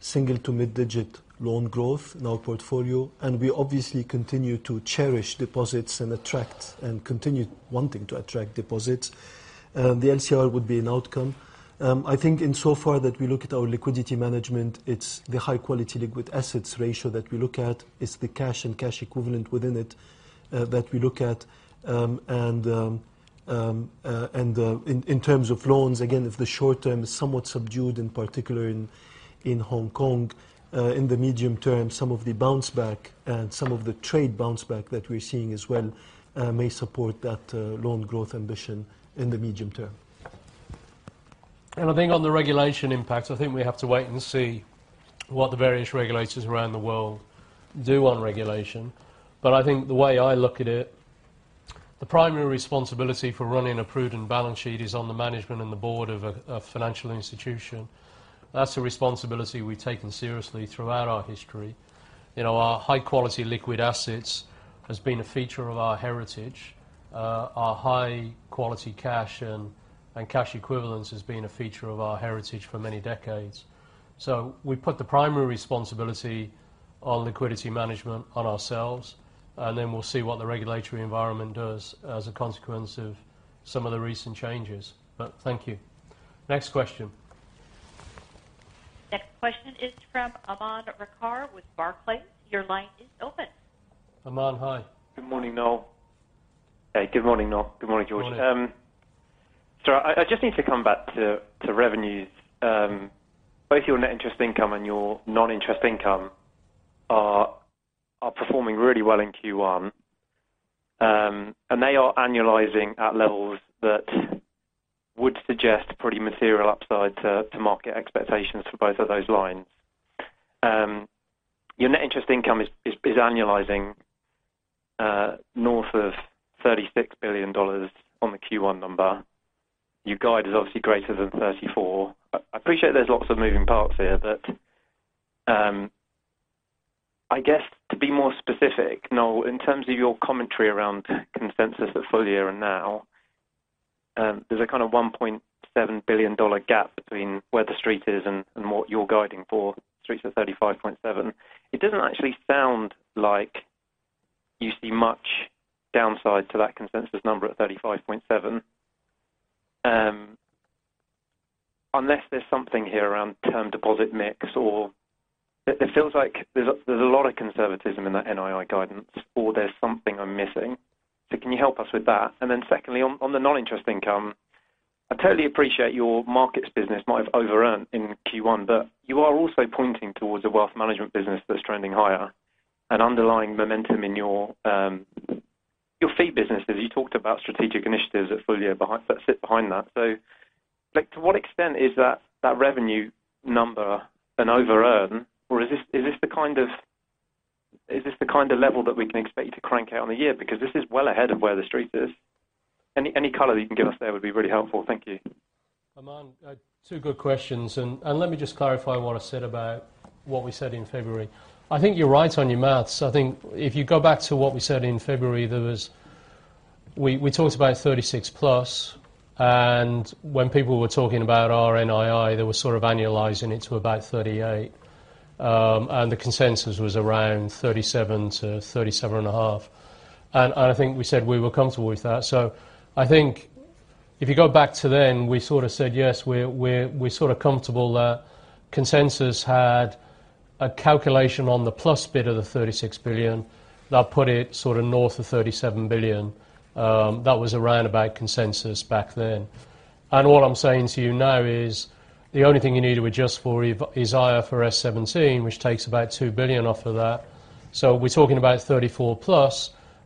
single to mid digit loan growth in our portfolio, and we obviously continue to cherish deposits and attract and continue wanting to attract deposits. The LCR would be an outcome. I think insofar that we look at our liquidity management, it's the high-quality liquid assets ratio that we look at. It's the cash and cash equivalent within it that we look at. In terms of loans, again, if the short-term is somewhat subdued, in particular in Hong Kong, in the medium term, some of the bounce back and some of the trade bounce back that we're seeing as well, may support that loan growth ambition in the medium term. I think on the regulation impact, I think we have to wait and see what the various regulators around the world do on regulation. I think the way I look at it, the primary responsibility for running a prudent balance sheet is on the management and the board of a financial institution. That's a responsibility we've taken seriously throughout our history. You know, our high-quality liquid assets has been a feature of our heritage. Our high-quality cash and cash equivalents has been a feature of our heritage for many decades. We put the primary responsibility on liquidity management on ourselves, and then we'll see what the regulatory environment does as a consequence of some of the recent changes. Thank you. Next question. Next question is from Aman Rakkar with Barclays. Your line is open. Aman, hi. Good morning, Noel. Hey, good morning, Noel. Good morning, Georges. Morning. I just need to come back to revenues. Both your net interest income and your non-interest income are performing really well in Q1. They are annualizing at levels that would suggest pretty material upside to market expectations for both of those lines. Your net interest income is annualizing north of $36 billion on the Q1 number. Your guide is obviously greater than $34 billion. I appreciate there's lots of moving parts here, but I guess to be more specific, Noel, in terms of your commentary around consensus at full year and now, there's a kind of $1.7 billion gap between where the Street is and what you're guiding for, $3 billion-$35.7 billion. It doesn't actually sound like you see much downside to that consensus number at $35.7, unless there's something here around term deposit mix or it feels like there's a lot of conservatism in that NII guidance, or there's something I'm missing. Can you help us with that? Secondly, on the non-interest income, I totally appreciate your markets business might have overearned in Q1, but you are also pointing towards a Wealth Management business that's trending higher and underlying momentum in your fee businesses. You talked about strategic initiatives at full year that sit behind that. Like, to what extent is that revenue number an over-earn, or is this the kind of level that we can expect you to crank out on the year? This is well ahead of where the Street is. Any color that you can give us there would be really helpful. Thank you. Aman, two good questions. Let me just clarify what I said about what we said in February. I think you're right on your math. I think if you go back to what we said in February, we talked about $36 billion+, and when people were sort of talking about our NII, they were sort of annualizing it to about $38 billion. The consensus was around $37 billion-$37.5 billion. I think we said we were comfortable with that. I think if you go back to then, we sort of said, yes, we're sort of comfortable there. Consensus had a calculation on the plus bit of the $36 billion. That put it sort of north of $37 billion. That was a roundabout consensus back then. All I'm saying to you now is the only thing you need to adjust for is IFRS 17, which takes about $2 billion off of that. We're talking about $34 billion+,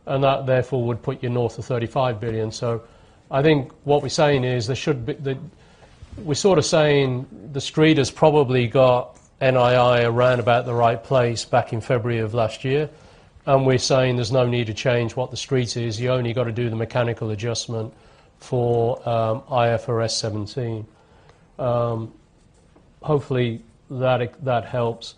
and that, therefore, would put you north of $35 billion. I think what we're saying is there should be We're sort of saying the street has probably got NII around about the right place back in February of last year, and we're saying there's no need to change what the street is. You only got to do the mechanical adjustment for IFRS 17. Hopefully that helps.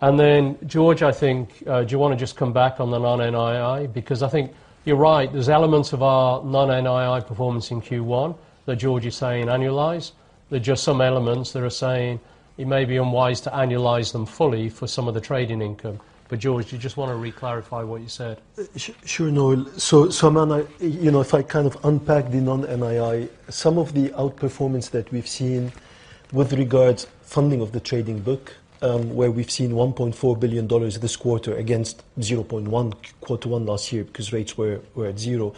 Then Georges, I think, do you wanna just come back on the non-NII? Because I think you're right, there's elements of our non-NII performance in Q1 that Georges is saying annualize. There are just some elements that are saying it may be unwise to annualize them fully for some of the trading income. Georges, do you just want to re-clarify what you said? Sure, Noel. Aman, you know, if I kind of unpack the non-NII, some of the outperformance that we've seen with regards funding of the trading book, where we've seen $1.4 billion this quarter against $0.1 quarter one last year, because rates were at $0.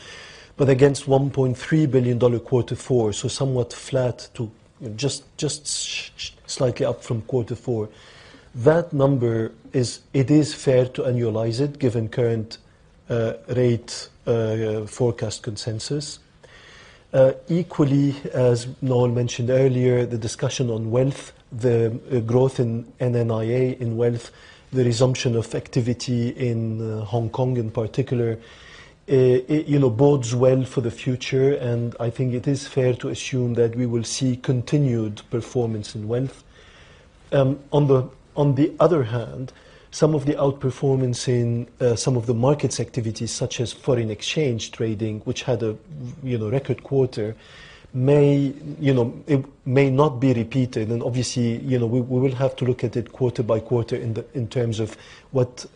Against $1.3 billion quarter four, somewhat flat to just slightly up from quarter four. That number it is fair to annualize it given current rate forecast consensus. Equally, as Noel mentioned earlier, the discussion on Wealth, the growth in NNIA in Wealth, the resumption of activity in Hong Kong in particular, it, you know, bodes well for the future, and I think it is fair to assume that we will see continued performance in Wealth. On the other hand, some of the outperformance in some of the markets activities such as foreign exchange trading, which had a record Q1, it may not be repeated. Obviously, we will have to look at it quarter by quarter in terms of what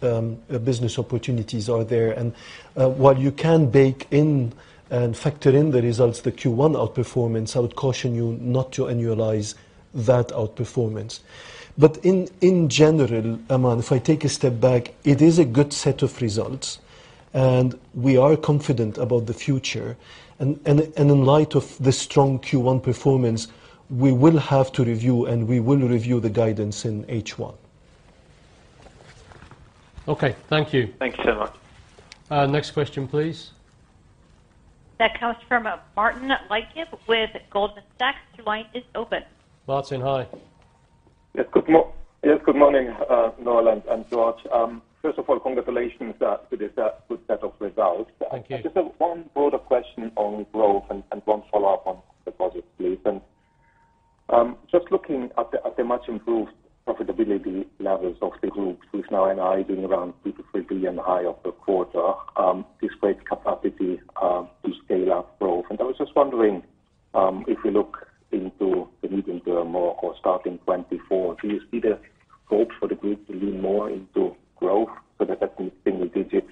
business opportunities are there. While you can bake in and factor in the results, the Q1 outperformance, I would caution you not to annualize that outperformance. In general, Aman, if I take a step back, it is a good set of results, and we are confident about the future. In light of the strong Q1 performance, we will have to review, and we will review the guidance in H1. Okay. Thank you. Thank you so much. Next question, please. That comes from, Martin Leitgeb with Goldman Sachs. Your line is open. Martin, hi. Yes, good morning, Noel and Georges. First of all, congratulations to the good set of results. Thank you. Just one broader question on growth and one follow-up on deposit, please. Just looking at the much improved profitability levels of the group with now NII doing around $2 billion-$3 billion high of the quarter, displays capacity to scale up growth. I was just wondering, if we look into the leading term or starting 2024, do you see the scope for the group to lean more into growth so that single-digit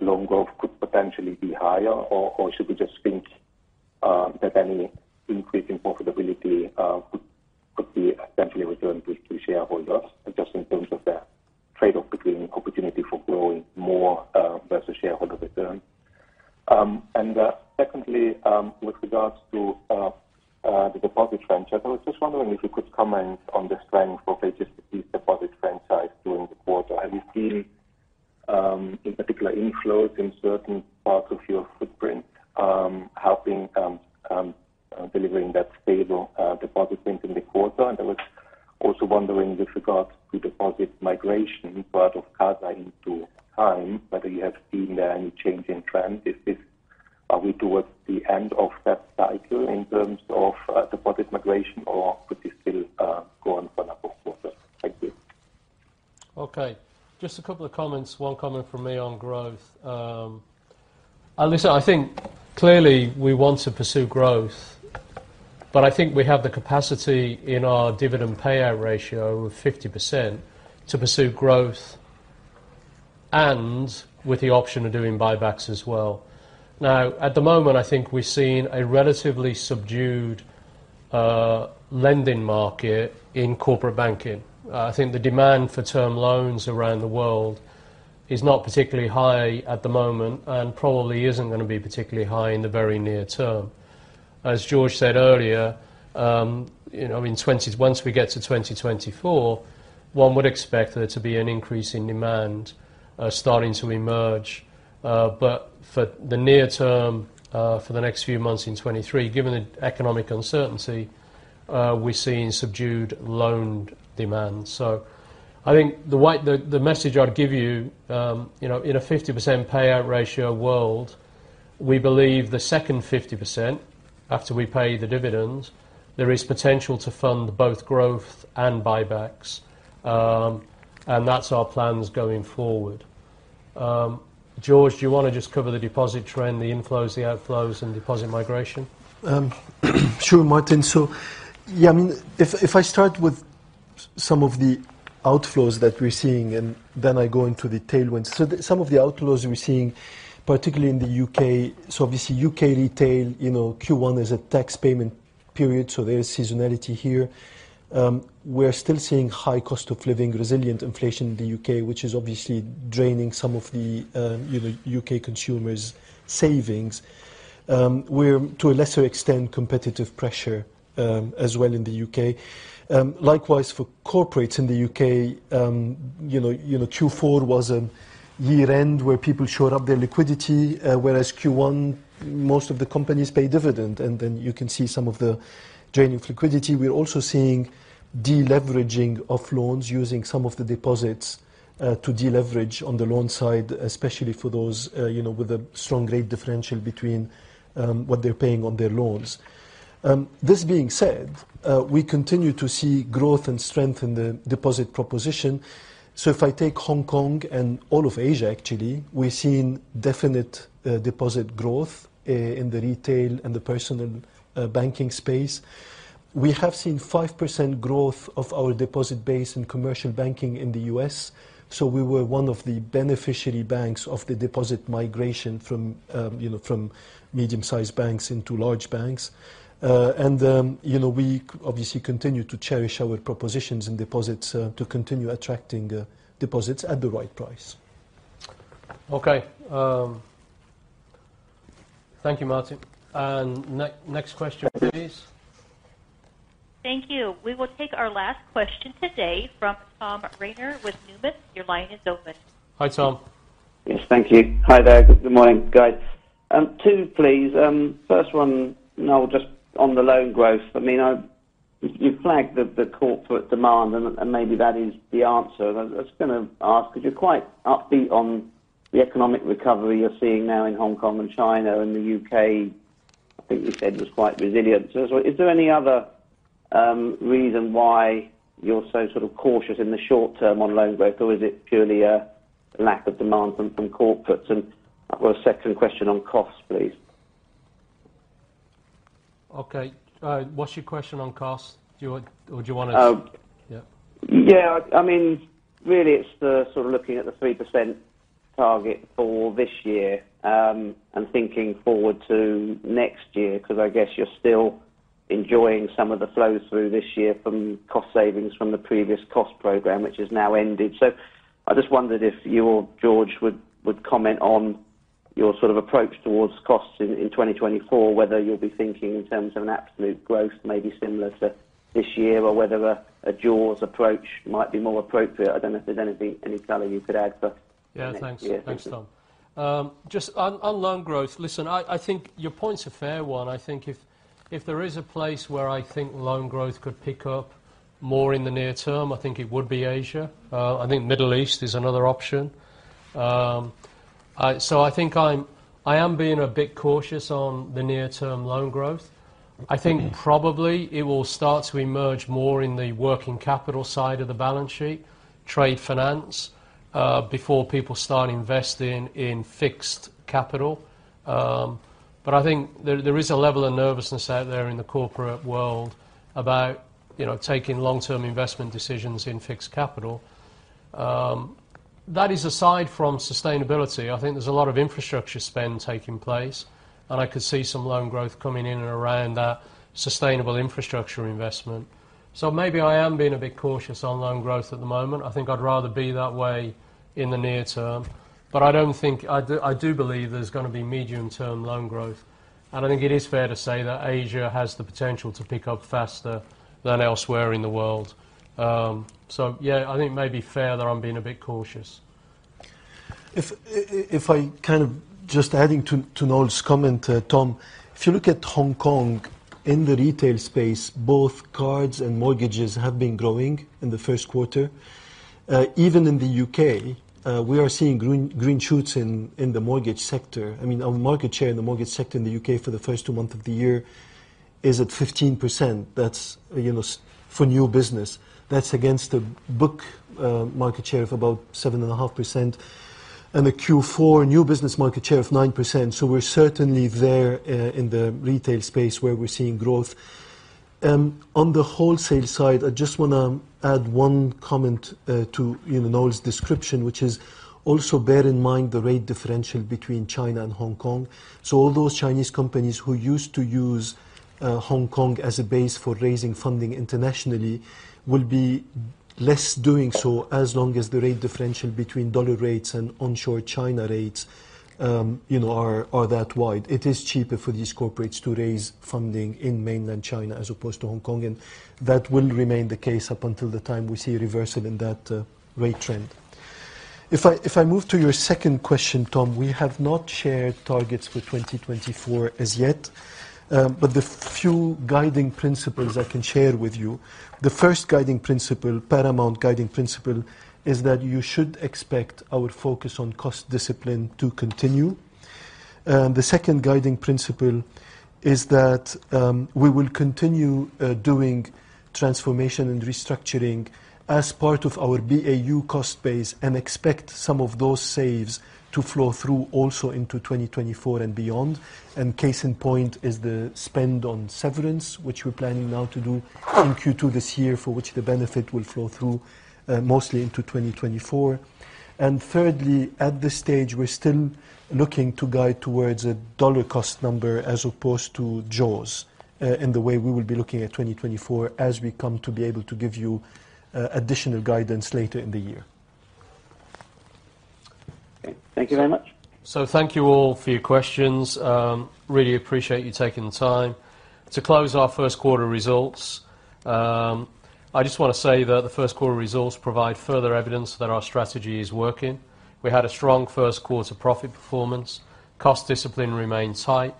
loan growth could potentially be higher? Or should we just think that any increase in profitability could be essentially returned to shareholders, just in terms of the trade-off between opportunity for growing more versus shareholder return? Secondly, with regards to the deposit trend. I was just wondering if you could comment on the strength of HSBC's deposit trend size during the quarter. Have you seen in particular inflows in certain parts of your footprint helping delivering that stable deposit trend in the quarter? I was also wondering with regards to deposit migration, part of CASA into time deposits, whether you have seen any change in trend. Are we towards the end of that cycle in terms of deposit migration, or could this still go on for a number of quarters? Thank you. Okay. Just a couple of comments. One comment from me on growth. listen, I think clearly we want to pursue growth, but I think we have the capacity in our dividend payout ratio of 50% to pursue growth and with the option of doing buybacks as well. At the moment, I think we're seeing a relatively subdued lending market in corporate banking. I think the demand for term loans around the world is not particularly high at the moment and probably isn't gonna be particularly high in the very near term. As Georges said earlier, you know, Once we get to 2024, one would expect there to be an increase in demand starting to emerge. For the near term, for the next few months in 2023, given the economic uncertainty, we're seeing subdued loan demand. I think the message I'd give you know, in a 50% payout ratio world, we believe the second 50%, after we pay the dividends, there is potential to fund both growth and buybacks. That's our plans going forward. Georges, do you wanna just cover the deposit trend, the inflows, the outflows, and deposit migration? Sure, Martin. Yeah, I mean, if I start with some of the outflows that we're seeing, and then I go into the tailwind. Some of the outflows we're seeing, particularly in the U.K., obviously U.K. retail, you know, Q1 is a tax payment period, there is seasonality here. We're still seeing high cost of living, resilient inflation in the U.K., which is obviously draining some of the, you know, U.K. consumers' savings. We're to a lesser extent competitive pressure as well in the U.K.. Likewise for corporates in the U.K., you know, Q4 was a year-end where people shored up their liquidity, whereas Q1 most of the companies pay dividend, you can see some of the drain of liquidity. We're also seeing de-leveraging of loans using some of the deposits to de-leverage on the loan side, especially for those, you know, with a strong rate differential between what they're paying on their loans. This being said, we continue to see growth and strength in the deposit proposition. If I take Hong Kong and all of Asia actually, we're seeing definite deposit growth in the retail and the personal banking space. We have seen 5% growth of our deposit base in Commercial Banking in the U.S., we were one of the beneficiary banks of the deposit migration from, you know, from medium-sized banks into large banks. You know, we obviously continue to cherish our propositions and deposits to continue attracting deposits at the right price. Okay. thank you, Martin. next question, please. Thank you. We will take our last question today from Tom Rayner with Numis. Your line is open. Hi, Tom. Yes, thank you. Hi there. Good morning, guys. Two please. First one, Noel, just on the loan growth. I mean, you flagged the corporate demand and maybe that is the answer. I was gonna ask, because you're quite upbeat on the economic recovery you're seeing now in Hong Kong and China, and the U.K. I think you said was quite resilient. Is there any other reason why you're so sort of cautious in the short term on loan growth? Or is it purely a lack of demand from corporates? I've got a second question on costs, please. Okay. What's your question on costs? Do you want or do you want to... Um- Yeah. I mean, really it's the sort of looking at the 3% target for this year, and thinking forward to next year, 'cause I guess you're still enjoying some of the flows through this year from cost savings from the previous cost program, which has now ended. So I just wondered if you or Georges would comment on your sort of approach towards costs in 2024, whether you'll be thinking in terms of an absolute growth maybe similar to this year or whether a jaws approach might be more appropriate. I don't know if there's anything, any color you could add for next year. Yeah, thanks. Thanks, Tom. Just on loan growth, listen, I think your point's a fair one. I think if there is a place where I think loan growth could pick up more in the near term, I think it would be Asia. I think Middle East is another option. I am being a bit cautious on the near term loan growth. I think probably it will start to emerge more in the working capital side of the balance sheet, trade finance, before people start investing in fixed capital. I think there is a level of nervousness out there in the corporate world about, you know, taking long-term investment decisions in fixed capital. That is aside from sustainability. I think there's a lot of infrastructure spend taking place, and I could see some loan growth coming in and around that sustainable infrastructure investment. Maybe I am being a bit cautious on loan growth at the moment. I think I'd rather be that way in the near term. I don't think I do believe there's going to be medium-term loan growth, and I think it is fair to say that Asia has the potential to pick up faster than elsewhere in the world. Yeah, I think it may be fair that I'm being a bit cautious. If I kind of just adding to Noel's comment, Tom. If you look at Hong Kong, in the retail space, both cards and mortgages have been growing in the first quarter. Even in the U.K., we are seeing green shoots in the mortgage sector. I mean, our market share in the mortgage sector in the U.K. for the first two months of the year is at 15%. That's, you know, for new business. That's against a book market share of about 7.5%, and a Q4 new business market share of 9%. We're certainly there in the retail space where we're seeing growth. On the wholesale side, I just wanna add one comment, to, you know, Noel's description, which is also bear in mind the rate differential between China and Hong Kong. All those Chinese companies who used to use Hong Kong as a base for raising funding internationally will be less doing so as long as the rate differential between USD rates and onshore China rates, you know, are that wide. It is cheaper for these corporates to raise funding in mainland China as opposed to Hong Kong, and that will remain the case up until the time we see a reversal in that rate trend. If I move to your second question, Tom, we have not shared targets for 2024 as yet, but the few guiding principles I can share with you. The first guiding principle, paramount guiding principle is that you should expect our focus on cost discipline to continue. The second guiding principle is that we will continue doing transformation and restructuring as part of our BAU cost base and expect some of those saves to flow through also into 2024 and beyond. Case in point is the spend on severance, which we're planning now to do in Q2 this year, for which the benefit will flow through mostly into 2024. Thirdly, at this stage, we're still looking to guide towards a dollar cost number as opposed to jaws in the way we will be looking at 2024 as we come to be able to give you additional guidance later in the year. Okay. Thank you very much. Thank you all for your questions. Really appreciate you taking the time. To close our first quarter results, I just wanna say that the first quarter results provide further evidence that our strategy is working. We had a strong first quarter profit performance. Cost discipline remains tight,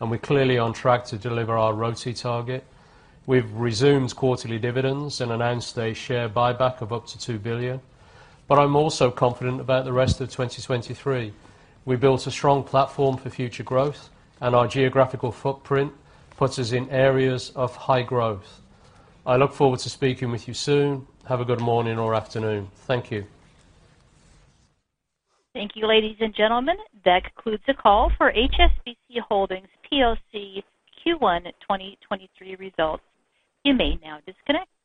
and we're clearly on track to deliver our RoTE target. We've resumed quarterly dividends and announced a share buyback of up to $2 billion. I'm also confident about the rest of 2023. We built a strong platform for future growth, and our geographical footprint puts us in areas of high growth. I look forward to speaking with you soon. Have a good morning or afternoon. Thank you. Thank you, ladies and gentlemen. That concludes the call for HSBC Holdings plc's Q1 2023 results. You may now disconnect.